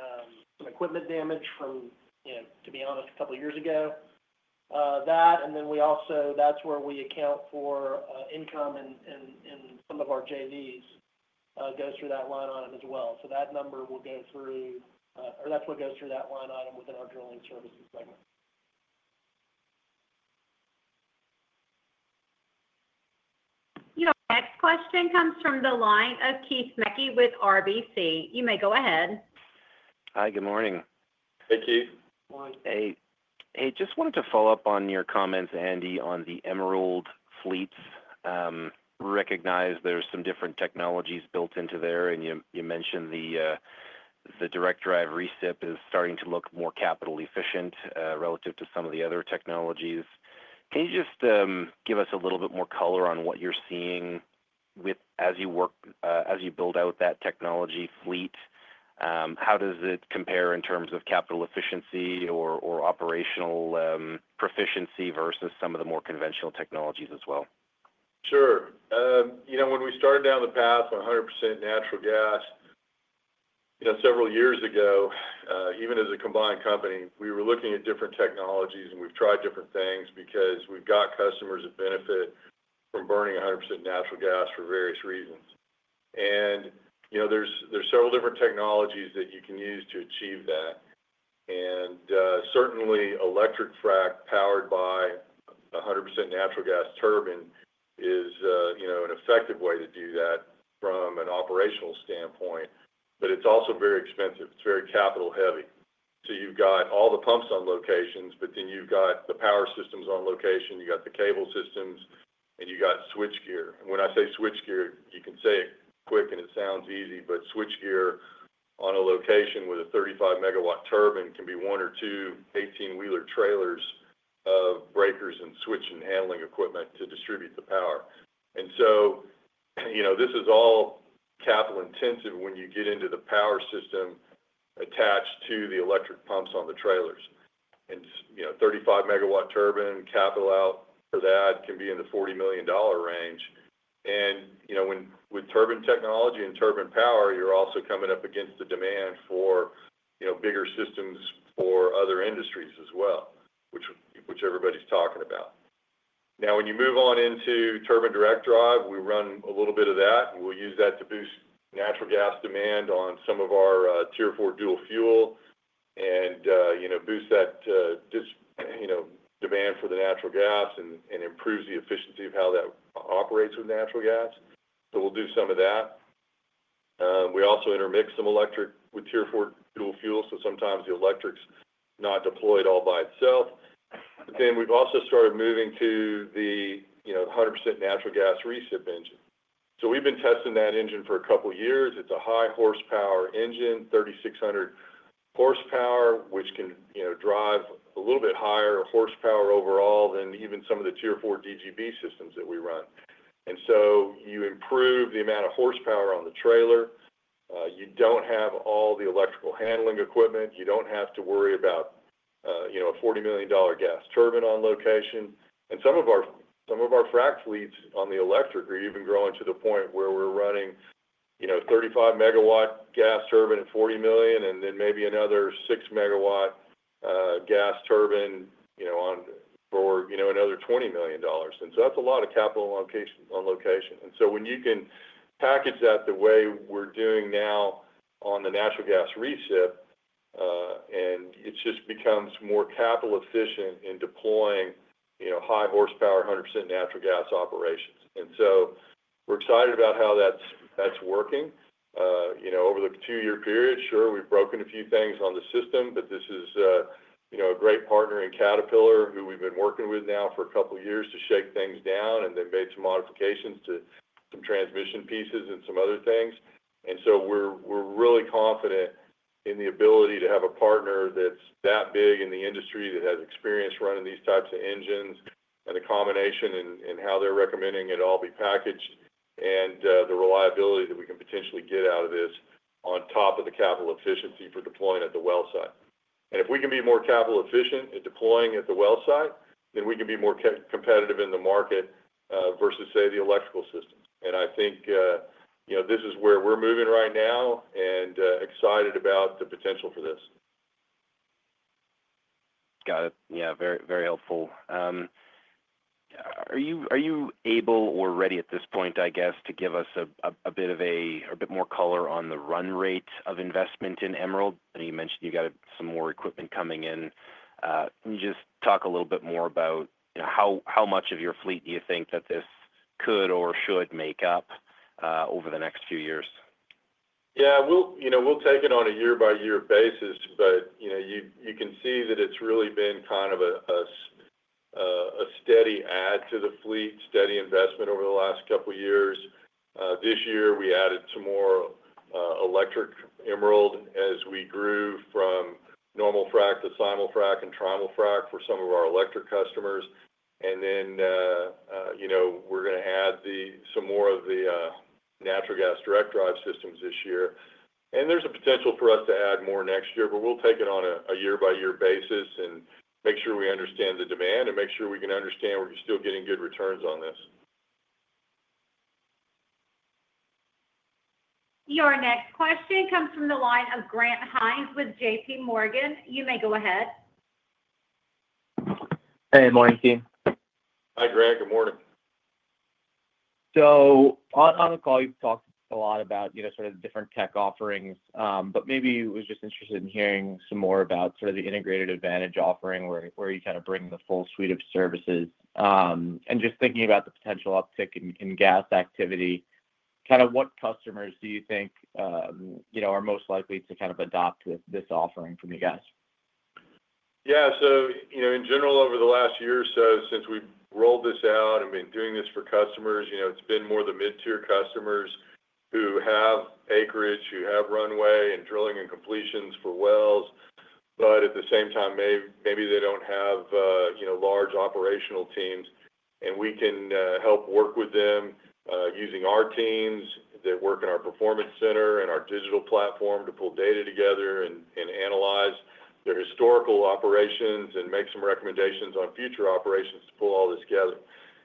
Speaker 4: some equipment damage from, you know, to be honest, a couple years ago. That and then we also that's where we account for, income and and and some of our JVs, goes through that line item as well. So that number will go through, or that's what goes through that line item within our Drilling Services segment.
Speaker 1: Your next question comes from the line of Keith Mackey with RBC. You may go ahead.
Speaker 10: Hi, good morning.
Speaker 4: Hey, Keith.
Speaker 3: Good morning.
Speaker 10: Hey, just wanted to follow-up on your comments, Andy, on the Emerald fleets. Recognize there's some different technologies built into there, and you mentioned the direct drive recip is starting to look more capital efficient relative to some of the other technologies. Can you just give us a little bit more color on what you're seeing with as you work as you build out that technology fleet? How does it compare in terms of capital efficiency or operational proficiency versus some of the more conventional technologies as well?
Speaker 3: Sure. When we started down the path of 100% natural gas you know, several years ago, even as a combined company, we were looking at different technologies and we've tried different things because we've got customers that benefit from burning a 100% natural gas for various reasons. And, you know, there's there's several different technologies that you can use to achieve that. And, certainly, electric frac powered by a 100% natural gas turbine is, you know, an effective way to do that from an operational standpoint, but it's also very expensive. It's very capital heavy. So you've got all the pumps on locations, but then you've got the power systems on location, you've the cable systems, and you've got switchgear. And when I say switchgear, you can say it quick and it sounds easy, but switchgear on a location with a 35 megawatt turbine can be one or two eighteen wheeler trailers of breakers and switch and handling equipment to distribute the power. And this is all capital intensive when you get into the power system attached to the electric pumps on the trailers. And 35 megawatt turbine capital out for that can be in the $40,000,000 range. And with Turbine Technology and Turbine Power, you're also coming up against the demand for bigger systems for other industries as well, which everybody is talking about. Now when you move on into turbine direct drive, we run a little bit of that and we'll use that to boost natural gas demand on some of our tier four dual fuel and, you know, boost that this, you know, demand for the natural gas and and improve the efficiency of how that operates with natural gas. So we'll do some of that. We also intermixed some electric with tier four dual fuel, so sometimes the electric's not deployed all by itself. Then we've also started moving to the, you know, 100% natural gas recip engine. So we've been testing that engine for a couple years. It's a high horsepower engine, 3,600 horsepower, which can, you know, drive a little bit higher horsepower overall than even some of the tier four DGB systems that we run. And so you improve the amount of horsepower on the trailer. You don't have all the electrical handling equipment. You don't have to worry about, you know, a $40,000,000 gas turbine on location. And some of our some of our frac fleets on the electric are even growing to the point where we're running, you know, 35 megawatt gas turbine at 40,000,000 and then maybe another six megawatt gas turbine, you know, on or, you know, another $20,000,000. And so that's a lot of capital location on location. And so when you can package that the way we're doing now on the natural gas reset, and it just becomes more capital efficient in deploying, you know, high horsepower, 100% natural gas operations. And so we're excited about how that's that's working. You know, over the two year period, sure, we've broken a few things on the system, but this is, know, a great partner in Caterpillar who we've been working with now for a couple of years to shake things down and they've made some modifications to some transmission pieces and some other things. And so we're we're really confident in the ability to have a partner that's that big in the industry that has experience running these types of engines and a combination in in how they're recommending it all be packaged and the reliability that we can potentially get out of this on top of the capital efficiency for deploying at the well site. And if we can be more capital efficient at deploying at the well site, then we can be more competitive in the market versus say the electrical systems. And I think this is where we're moving right now and excited about the potential for this.
Speaker 10: Got it. Yeah. Very helpful. Are you able or ready at this point, I guess, to give us a bit of a a bit more color on the run rate of investment in Emerald? I know you mentioned you got some more equipment coming in. Can you just talk a little bit more about how much of your fleet do you think that this could or should make up over the next few years?
Speaker 3: Yes. We'll take it on a year by year basis, but you can see that it's really been kind of a steady add to the fleet, steady investment over the last couple of years. This year we added some more electric emerald as we grew from normal frac to final frac and trimal frac for some of our electric customers. And then we're going to add the some more of the natural gas direct drive systems this year. And there's a potential for us to add more next year, but we'll take it on a year by year basis and make sure we understand the demand and make sure we can understand we're still getting good returns on this.
Speaker 1: Your next question comes from the line of Grant Hines with JPMorgan. You may go ahead.
Speaker 11: Hey. Good morning, team.
Speaker 3: Hi, Greg. Good morning.
Speaker 11: So on on the call, you've talked a lot about, you know, sort of different tech offerings, but maybe was just interested in hearing some more about sort of the integrated advantage offering where you kind of bring the full suite of services. And just thinking about the potential uptick in gas activity, kind of what customers do you think are most likely to kind of adopt this offering from you guys?
Speaker 3: Yeah. So, you know, in general over the last year or so since we've rolled this out and been doing this for customers, you know, it's been more the mid tier customers who have acreage, who have runway and drilling and completions for wells. But at the same time maybe they don't have large operational teams and we can help work with them using our teams that work in our performance center and our digital platform to pull data together and analyze their historical operations and make some recommendations on future operations to pull all this together.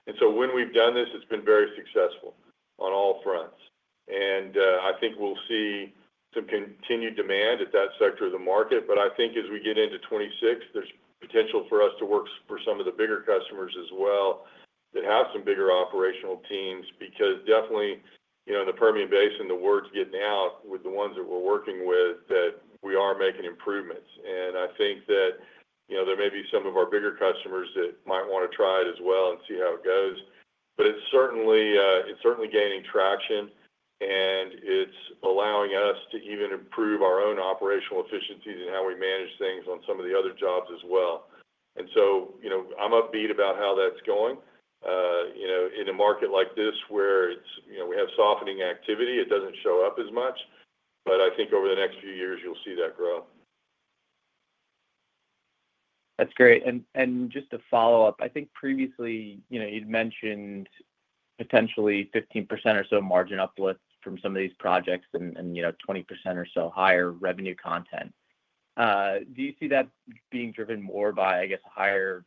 Speaker 3: And so when we've done this, it's been very successful on all fronts. And I think we'll see some continued demand at that sector of the market. But I think as we get into '26, there's potential for us to work for some of the bigger customers as well that have some bigger operational teams because definitely, you know, in the Permian Basin, the word's getting out with the ones that we're working with that we are making improvements. And I think that, you there may be some of our bigger customers that might wanna try it as well and see how it goes. But it's certainly it's certainly gaining traction, and it's allowing us to even improve our own operational efficiencies and how we manage things on some of the other jobs as well. And so I'm upbeat about how that's going. In a market like this where we have softening activity, it doesn't show up as much. But I think over the next few years, you'll see that grow.
Speaker 11: That's great. And and just a follow-up. I think previously, you know, you'd mentioned potentially 15% or so margin uplift from some of these projects and and, know, 20% or so higher revenue content. Do you see that being driven more by, I guess,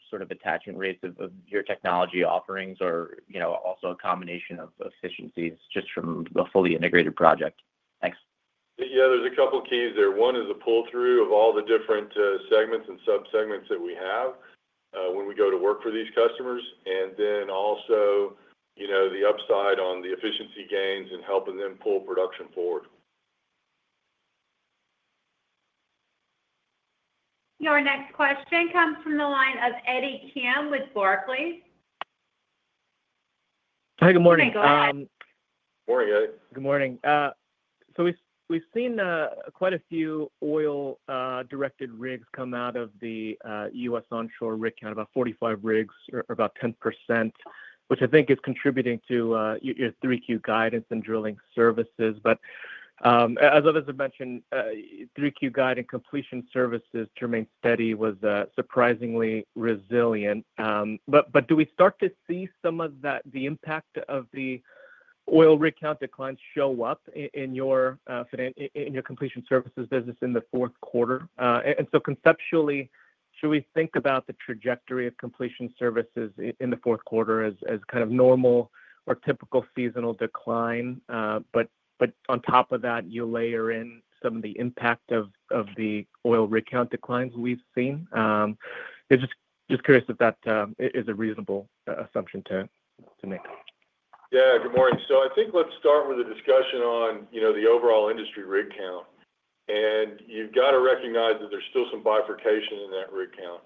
Speaker 11: sort of attachment rates of your technology offerings or also a combination of efficiencies just from the fully integrated project? Thanks.
Speaker 3: Yeah. There's a couple of keys there. One is a pull through of all the different segments and sub segments that we have when we go to work for these customers. And then also, the upside on the efficiency gains and helping them pull production forward.
Speaker 1: Your next question comes from the line of Eddie Kim with Barclays.
Speaker 12: Hi. Good morning.
Speaker 3: Good morning, Eid.
Speaker 12: Good morning. So we've seen quite a few oil directed rigs come out of The U. S. Onshore rig count, about 45 rigs or about 10%, which I think is contributing to your 3Q guidance in drilling services. But as others have mentioned, 3Q guide and completion services to remain steady was surprisingly resilient. But do we start to see some of the impact of the oil rig count declines show up in your completion services business in the fourth quarter? And so conceptually, should we think about the trajectory of completion services in the fourth quarter as kind of normal or typical seasonal decline. But on top of that, you layer in some of the impact of the oil rig count declines we've seen. Just curious if that is a reasonable assumption to make.
Speaker 3: Yeah. Good morning. So I think let's start with a discussion on the overall industry rig count. And you've got to recognize that there's still some bifurcation in that rig count.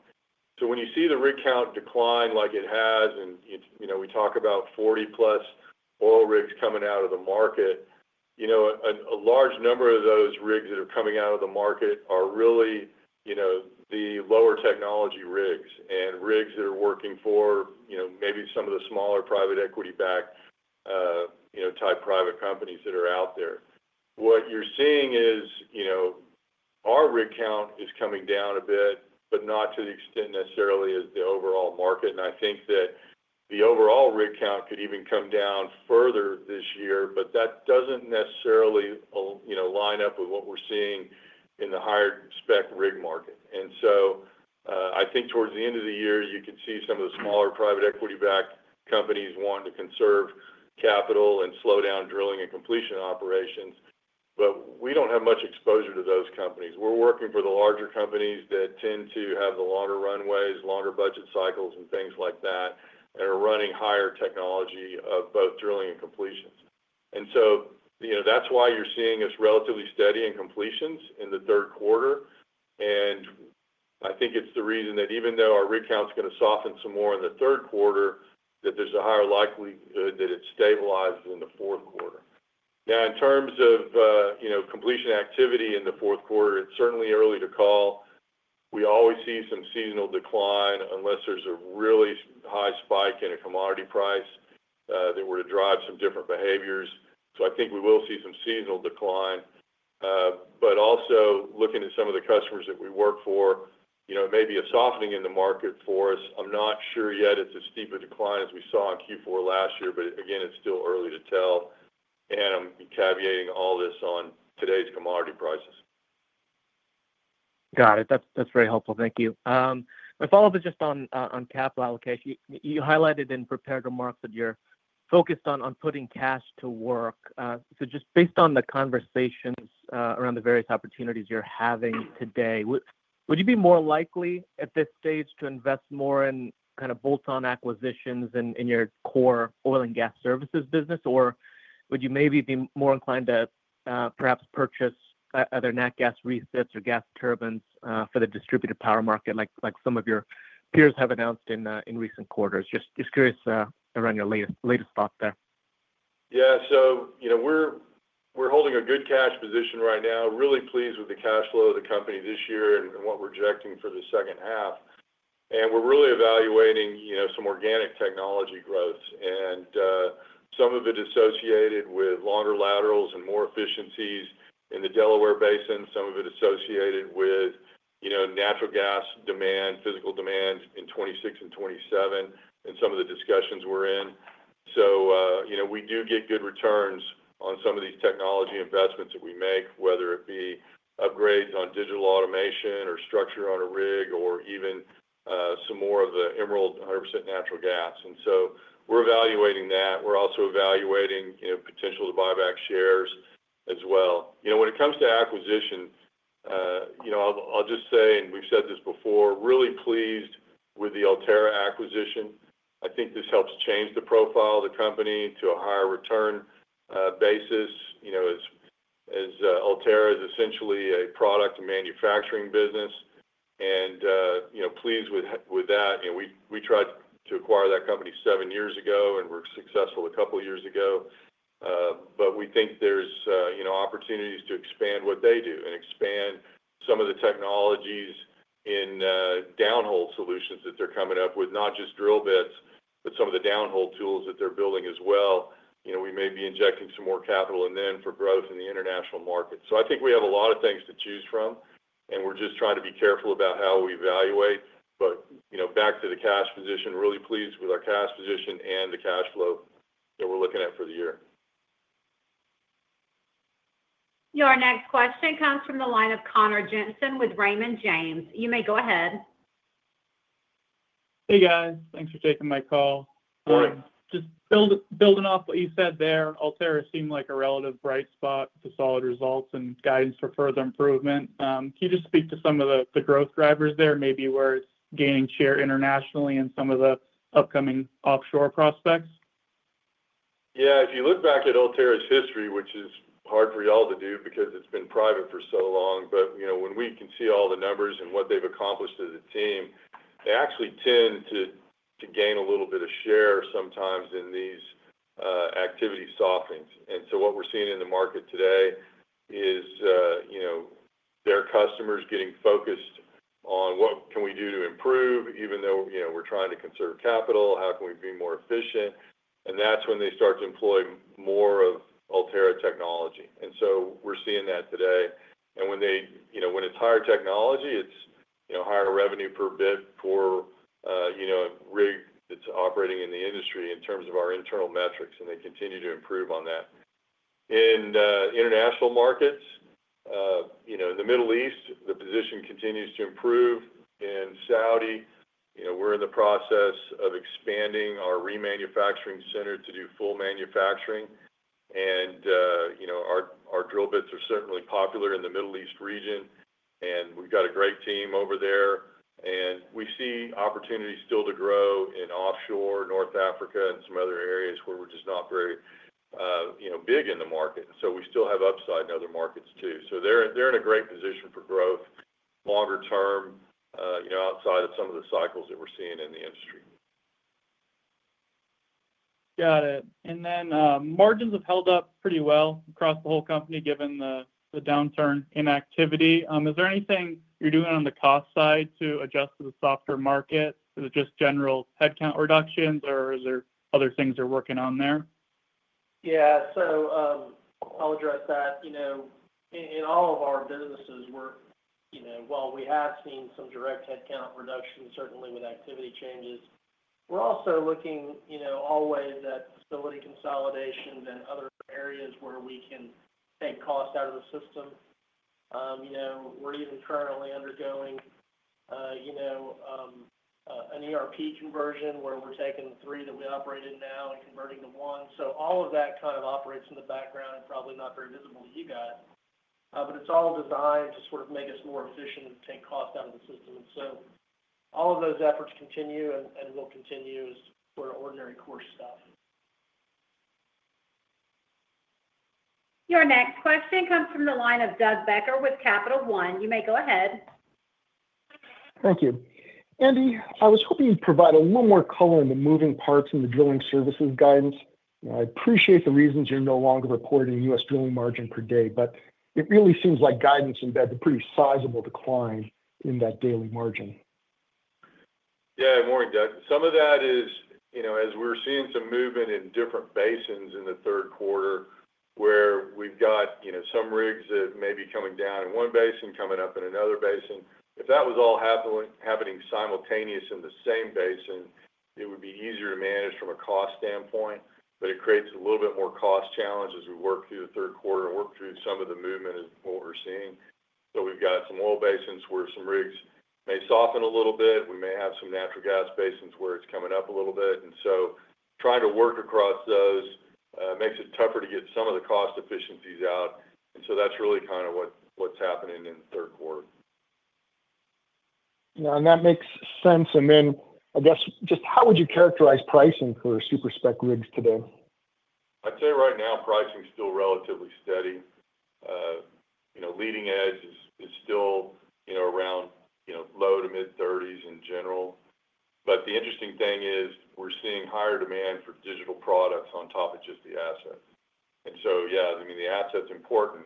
Speaker 3: So when you see the rig count decline like it has and we talk about 40 plus oil rigs coming out of the market, a large number of those rigs that are coming out of the market are really the lower technology rigs and rigs that are working for maybe some of the smaller private equity backed type private companies that are out there. What you're seeing is our rig count is coming down a bit, but not to the extent necessarily as the overall market. And I think that the overall rig count could even come down further this year, but that doesn't necessarily line up with what we're seeing in the higher spec rig market. And so I think towards the end of the year, could see some of the smaller private equity backed companies wanting to conserve capital and slow down drilling and completion operations. But we don't have much exposure to those companies. We're working for the larger companies that tend to have the longer runways, longer budget cycles and things like that and are running higher technology of both drilling and completions. And so that's why you're seeing us relatively steady in completions in the third quarter. And I think it's the reason that even though our rig count is going to soften some more in the third quarter that there's a higher likelihood that it stabilizes in the fourth quarter. Now in terms of completion activity in the fourth quarter, it's certainly early to call. We always see some seasonal decline unless there's a really high spike in a commodity price that were to drive some different behaviors. So I think we will see some seasonal decline. But also looking at some of the customers that we work for, maybe a softening in the market for us. I'm not sure yet it's a steeper decline as we saw in Q4 last year, but again it's still early to tell. And I'm caveating all this on today's commodity prices.
Speaker 12: Got it. That's very helpful. Thank you. My follow-up is just on capital allocation. You highlighted in prepared remarks that you're focused on putting cash to work. So just based on the conversations around the various opportunities you're having today, would you be more likely at this stage to invest more in kind of bolt on acquisitions in your core oil and gas services business? Or would you maybe be more inclined to perhaps purchase other nat gas resets or gas turbines for the distributed power market like some of your peers have announced in recent quarters? Just curious around your latest thoughts there.
Speaker 3: Yes. So we're holding a good cash position right now. Really pleased with the cash flow of the company this year and what we're projecting for the second half. And we're really evaluating some organic technology growth. And some of it associated with longer laterals and more efficiencies in the Delaware Basin, some of it associated with natural gas demand, physical demand in 2026 and 2027 and some of the discussions we're in. So we do get good returns on some of these technology investments that we make whether it be upgrades on digital automation or structure on a rig or even some more of the Emerald 100% natural gas. And so we're evaluating that. We're also evaluating potential to buy back shares as well. When it comes to acquisition, I'll just say and we've said this before, really pleased with the Ultera acquisition. I think this helps change the profile of the company to a higher return basis, you know, as as Ultera is essentially a product manufacturing business and, you know, pleased with with that. And we we tried to acquire that company seven years ago and were successful a couple years ago. But we think there's, you know, opportunities to expand what they do and expand some of the technologies in, downhole solutions that they're coming up with, not just drill bits, but some of the downhole tools that they're building as well. We may be injecting some more capital and then for growth in the international market. So I think we have a lot of things to choose from and we're just trying to be careful about how we evaluate. But back to the cash position, really pleased with our cash position and the cash flow that we're looking at for the year.
Speaker 1: Your next question comes from the line of Connor Jensen with Raymond James. You may go ahead.
Speaker 13: Hey, guys. Thanks for taking my call. Morning. Just build building off what you said there, Ultera seemed like a relative bright spot to solid results and guidance for further improvement. Can you just speak to some of the the growth drivers there, maybe where it's gaining share internationally in some of the upcoming offshore prospects?
Speaker 3: Yes. If you look back at Ultera's history, which is hard for you all to do because it's been private for so long, but when we can see all the numbers and what they've accomplished as a team, they actually tend to to gain a little bit of share sometimes in these activity softens. And so what we're seeing in the market today is, you know, their customers getting focused on what can we do to improve even though, you know, we're trying to conserve capital, how can we be more efficient, and that's when they start to employ more of Ultera technology. And so we're seeing that today. And when they you know, when it's higher technology, it's higher revenue per bit for, you know, rig that's operating in the industry in terms of our internal metrics and they continue to improve on that. In the international markets, know, in The Middle East, the position continues to improve. In Saudi, you know, we're in the process of expanding our remanufacturing center to do full manufacturing. And, know, drill bits are certainly popular in The Middle East region and we've got a great team over there. And we see opportunities still to grow in offshore, North Africa and some other areas where we're just not very big in the market. So we still have upside in other markets too. So they're in a great position for growth longer term outside of some of the cycles that we're seeing in the industry.
Speaker 13: Got it. And then, margins have held up pretty well across the whole company given the downturn in activity. Is there anything you're doing on the cost side to adjust to the softer market? Is it just general headcount reductions, or is there other things they're working on there?
Speaker 4: Yeah. So, I'll address that. You know, in all of our businesses, we're you know, while we have seen some direct headcount reductions, certainly, with activity changes, We're also looking, you know, always at facility consolidations and other areas where we can take cost out of the system. You know, we're even currently undergoing, you know, an ERP conversion where we're taking three that we operate in now and converting to one. So all of that kind of operates in the background and probably not very visible to you guys. But it's all designed to sort of make us more efficient and take cost out of the system. So all of those efforts continue and will continue as sort of ordinary course stuff.
Speaker 1: Your next question comes from the line of Doug Becker with Capital One. You may go ahead.
Speaker 14: Thank you. Andy, I was hoping you'd provide a little more color on the moving parts in the Drilling Services guidance. I appreciate the reasons you're no longer reporting U. S. Drilling margin per day, but it really seems like guidance embeds a pretty sizable decline in that daily margin.
Speaker 3: Yes. Good morning, Doug. Some of that is as we're seeing some movement in different basins in the third quarter where we've got some rigs that may be coming down in one basin, coming up in another basin. If that was all happening simultaneous in the same basin, it would be easier to manage from a cost standpoint, but it creates a little bit more cost challenge as we work through the third quarter and work through some of the movement of what we're seeing. So we've got some oil basins where some rigs may soften a little bit. We may have some natural gas basins where it's coming up a little bit. And so trying to work across those makes it tougher to get some of the cost efficiencies out. So that's really kind of what's happening in the third quarter.
Speaker 8: And that makes sense. Then, I guess, just how would you characterize pricing for super spec rigs today?
Speaker 3: I'd say right now pricing is still relatively steady. You know, leading edge is is still, you know, around, you know, low to mid thirties in general. But the interesting thing is we're seeing higher demand for digital products on top of just the asset. And so yeah. I mean, the asset's important,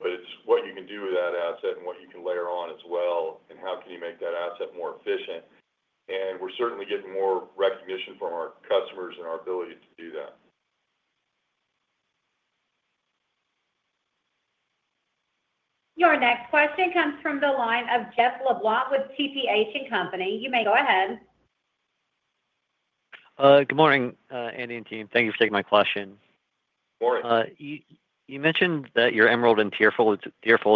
Speaker 3: but it's what you can do with that asset and what you can layer on as well and how can you make that asset more efficient. And we're certainly getting more recognition from our customers and our ability to do that.
Speaker 1: Your next question comes from the line of Jeff LeBlanc with TPH and Company. You may go ahead.
Speaker 15: Good morning, Andy and team. Thank you for taking my question. Good morning. You mentioned that your Emerald and tearful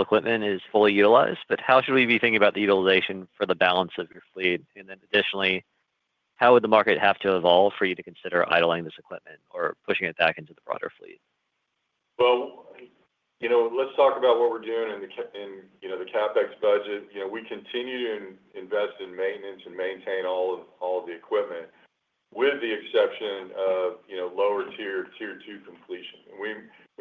Speaker 15: equipment is fully utilized, but how should we be thinking about the utilization for the balance of your fleet? And then additionally, how would the market have to evolve for you to consider idling this equipment or pushing it back into the broader fleet?
Speaker 3: Well, you know, let's talk about what we're doing in the in, you know, the CapEx budget. You know, we continue to invest in maintenance and maintain all of all of the equipment with the exception of, you know, lower tier tier two completion. And we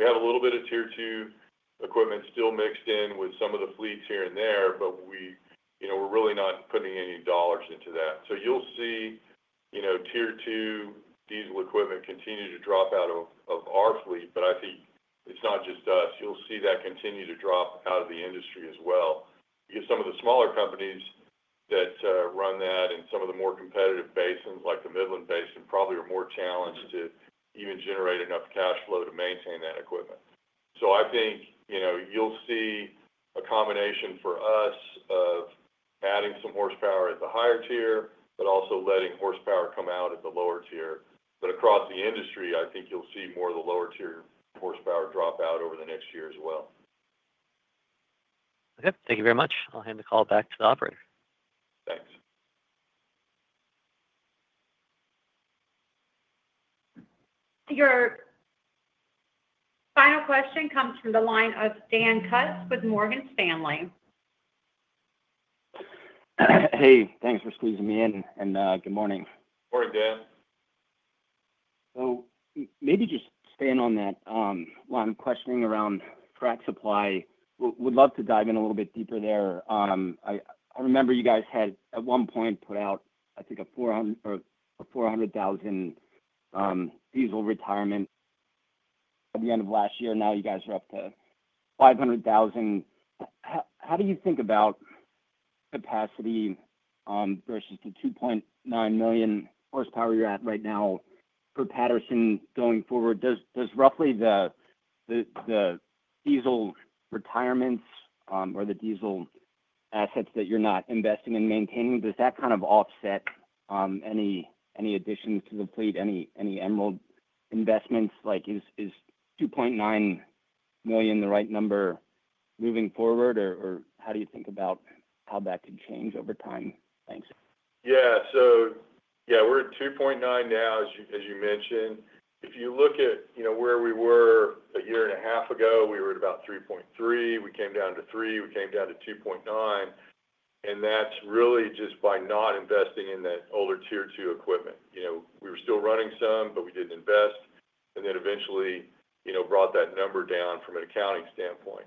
Speaker 3: have a little bit of tier two equipment still mixed in with some of the fleets here and there, but we're really not putting any dollars into that. So you'll see tier two diesel equipment continue to drop out of our fleet, but I think it's not just us. You'll see that continue to drop out of the industry as well. Because some of the smaller companies that run that and some of the more competitive basins like the Midland Basin probably are more challenged to even generate enough cash flow to maintain that equipment. So I think, you know, you'll see a combination for us of adding some horsepower at the higher tier, but also letting horsepower come out at the lower tier. But across the industry, I think you'll see more of the lower tier horsepower drop out over the next year as well.
Speaker 15: Okay. Thank you very much. I'll hand the call back to the operator.
Speaker 3: Thanks.
Speaker 1: Your final question comes from the line of Dan Cuske with Morgan Stanley.
Speaker 16: Hey. Thanks for squeezing me in, and good morning.
Speaker 3: Morning, Dan.
Speaker 16: So maybe just staying on that line of questioning around frac supply. Would love to dive in a little bit deeper there. I I remember you guys had, at one point, put out, I think, a 400 or a 400,000 diesel retirement at the end of last year. Now you guys are up to 500,000. How do you think about capacity versus the 2,900,000 horsepower you're at right now for Patterson going forward, does does roughly the the the diesel retirements or the diesel assets that you're not investing in maintaining, does that kind of offset any additions to the fleet, any Emerald investments? Like is $2,900,000 the right number moving forward? Or how do you think about how that could change over time? Thanks.
Speaker 3: Yeah. So, yeah, we're at 2.9 now as you mentioned. If you look at where we were a year and a half ago, we were at about 3.3. We came down to three. We came down to 2.9. And that's really just by not investing in that older tier two equipment. You know, we were still running some, but we didn't invest and then eventually, you know, brought that number down from an accounting standpoint.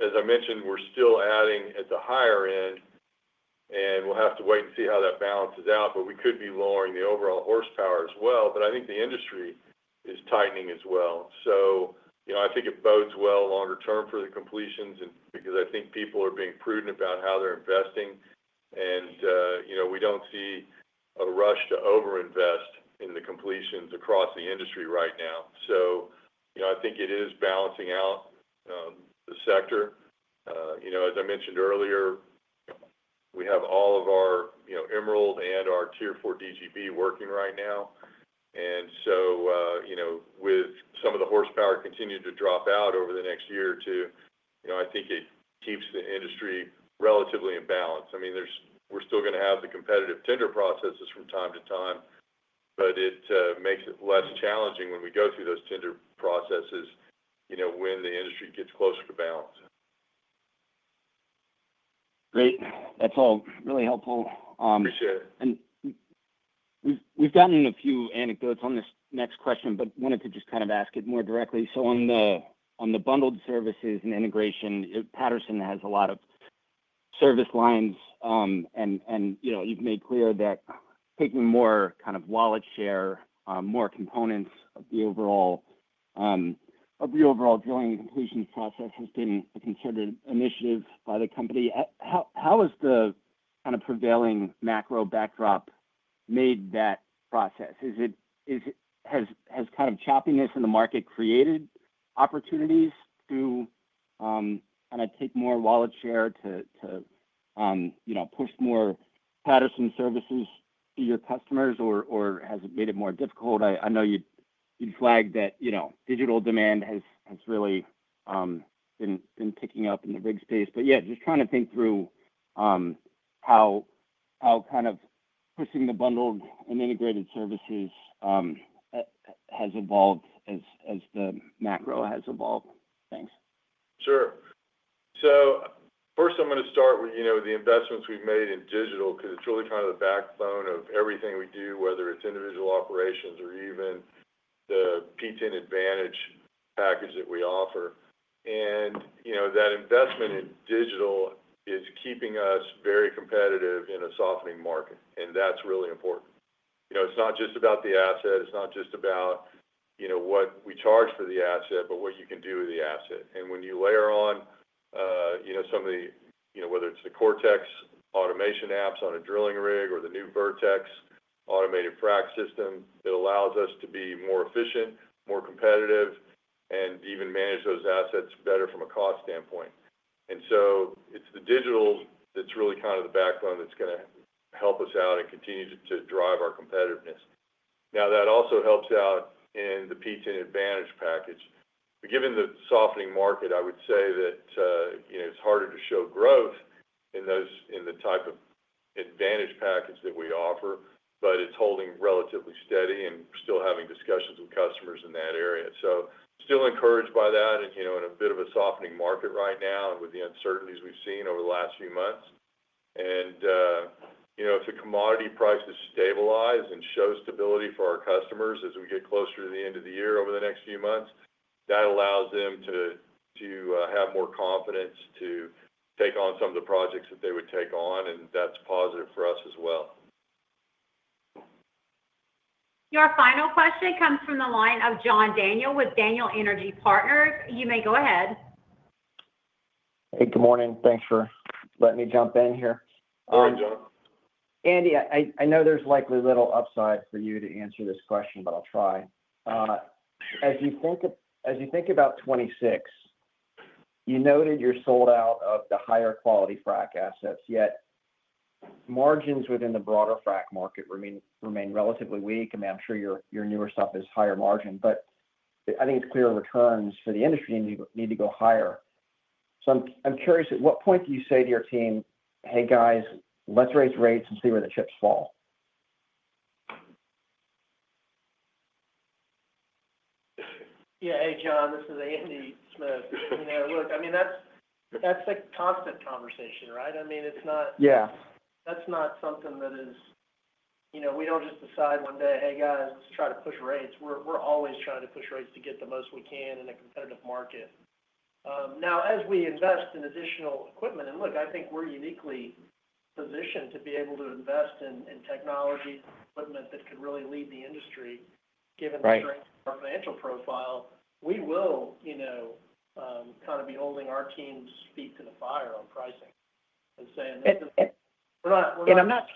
Speaker 3: As I mentioned, we're still adding at the higher end and we'll have to wait and see how that balances out, but we could be lowering the overall horsepower as well. But I think the industry is tightening as well. So I think it bodes well longer term for the completions and because I think people are being prudent about how they're investing And, you know, we don't see a rush to over invest in the completions across the industry right now. So, you know, I think it is balancing out, the sector. You know, as I mentioned earlier, we have all of our Emerald and our Tier four DGB working right now. And so with some of the horsepower continued to drop out over the next year or two, I think it keeps the industry relatively in balance. I mean, there's we're still going to have the competitive tender processes from time to time, but it makes it less challenging when we go through those tender processes when the industry gets closer to balance.
Speaker 16: Great. That's all really helpful.
Speaker 3: Appreciate it.
Speaker 16: And we've we've gotten a few anecdotes on this next question, but wanted to just kind of ask it more directly. So on the on the bundled services and integration, Patterson has a lot of service lines, and and, you know, you've made clear that taking more kind of wallet share, more components of the overall, of the overall drilling and completion process has been considered initiative by the company. How how is the kind of prevailing macro backdrop made that process? Is it is it has has kind of choppiness in the market created opportunities to kinda take more wallet share to to, you know, push more Patterson services to your customers, or or has it made it more difficult? I I know you'd you'd flagged that, you know, digital demand has has really been been picking up in the big space. But, yeah, just trying to think through how how kind of pushing the bundled and integrated services has evolved as as the macro has evolved. Thanks.
Speaker 3: Sure. So first, I'm gonna start with, you know, the investments we've made in digital because it's really kind of the backbone of everything we do, whether it's individual operations or even the p 10 advantage package that we offer. And that investment in digital is keeping us very competitive in a softening market and that's really important. It's not just about the asset. It's not just about what we charge for the asset, but what you can do with the asset. And when you layer on some of the whether it's the Cortex automation apps on a drilling rig or the new Vertex automated frac system, it allows us to be more efficient, more competitive, and even manage those assets better from a cost standpoint. And so it's the digital that's really kind of the backbone that's going to help us out and continue to drive our competitiveness. Now that also helps out in the P10 advantage package. Given the softening market, would say that it's harder to show growth in those in the type of Advantage package that we offer, but it's holding relatively steady and still having discussions with customers in that area. So still encouraged by that and a bit of a softening market right now with the uncertainties we've seen over the last few months. And if the commodity prices stabilize and show stability for our customers as we get closer to the end of the year over the next few months, That allows them to to have more confidence to take on some of the projects that they would take on, and that's positive for us as well.
Speaker 1: Your final question comes from the line of John Daniel with Daniel Energy Partners. You may go ahead.
Speaker 17: Hey. Good morning. Thanks for letting me jump in here.
Speaker 3: Good morning, John.
Speaker 17: Andy, I I know there's likely little upside for you to answer this question, but I'll try. As you think of as you think about '26, you noted you're sold out of the higher quality frac assets, yet margins within the broader frac market remain remain relatively weak. And I'm sure your your newer stuff is higher margin, but I think it's clear returns for the industry and you need to go higher. So I'm I'm curious at what point do you say to your team, hey, guys. Let's raise rates and see where the chips fall.
Speaker 4: Yeah. Hey, John. This is Andy Smith. You know, look, I mean, that's that's a constant conversation. Right? I mean, it's not Yeah. That's not something that is you know, we don't just decide one day, hey, guys. Let's try to push rates. We're we're always trying to push rates to get the most we can in a competitive market. Now as we invest in additional equipment and look. I think we're uniquely positioned to be able to invest in in technology equipment that could really lead the industry given
Speaker 12: the strength
Speaker 4: of our financial profile. We will, you know, kinda be holding our team's feet to the fire on pricing and saying that the we're not we're not And I'm not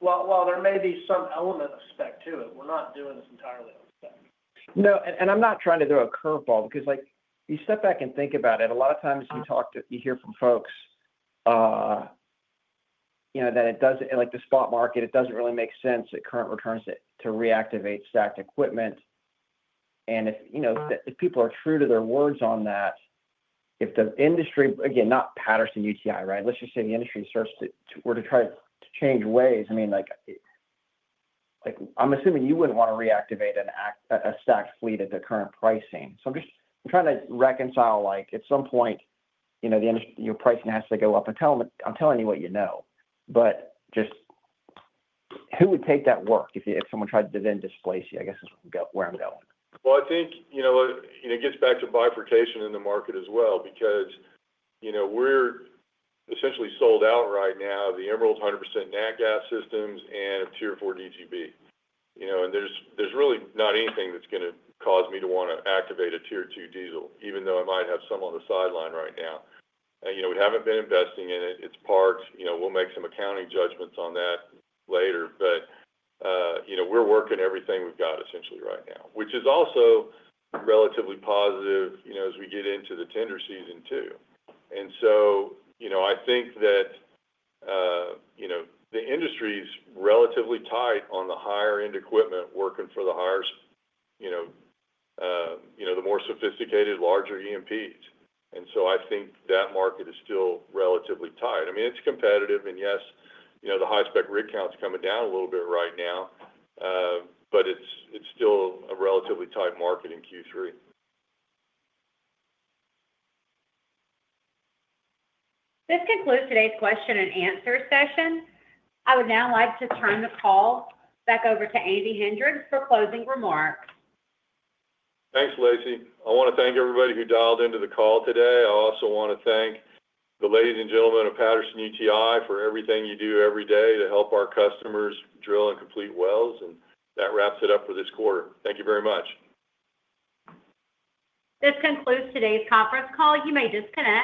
Speaker 4: well, while there may be some element of spec to it, we're not doing this entirely on spec.
Speaker 17: No. And and I'm not trying to do a curveball because, like, you step back and think about it. A lot of times, you talk to you hear from folks, you know, that it does and, like, the spot market, it doesn't really make sense. It current returns it to reactivate stacked equipment. And if, you know, the if people are true to their words on that, if the industry again, not Patterson UTI. Right? Let's just say the industry starts to to were to try to change ways. I mean, like like, I'm assuming you wouldn't wanna reactivate an act a a stacked fleet at the current pricing. So I'm just I'm trying to reconcile, like, at some point, you know, the under your pricing has to go up. I'm telling I'm telling you what you know. But just who would take that work if you if someone tried to then displace you, I guess, is where I'm going.
Speaker 3: Well, I think, you know, it gets back to bifurcation in the market as well because, you know, we're essentially sold out right now. The Emerald's 100% nat gas systems and a Tier four DGB. And there's really not anything that's going to cause me to want to activate a Tier two diesel, even though I might have some on the sideline right now. We haven't been investing in it. It's parked. We'll make some accounting judgments on that later. But you know, we're working everything we've got essentially right now, which is also relatively positive, you know, as we get into the tender season too. And so, you know, I think that, you know, the industry is relatively tight on the higher end equipment working for the hires, you know, you know, the more sophisticated larger E and Ps. And so I think that market is still relatively tight. I mean, it's competitive and, yes, you know, the high spec rig count is coming down a little bit right now, but it's it's still a relatively tight market in Q3.
Speaker 1: This concludes today's question and answer session. I would now like to turn the call back over to Andy Hendricks for closing remarks.
Speaker 3: Thanks, Lacey. I want to thank everybody who dialed into the call today. I also want to thank the ladies and gentlemen of Patterson UTI for everything you do every day to help our customers drill and complete wells, and that wraps it up for this quarter. Thank you very much.
Speaker 1: This concludes today's conference call. You may disconnect.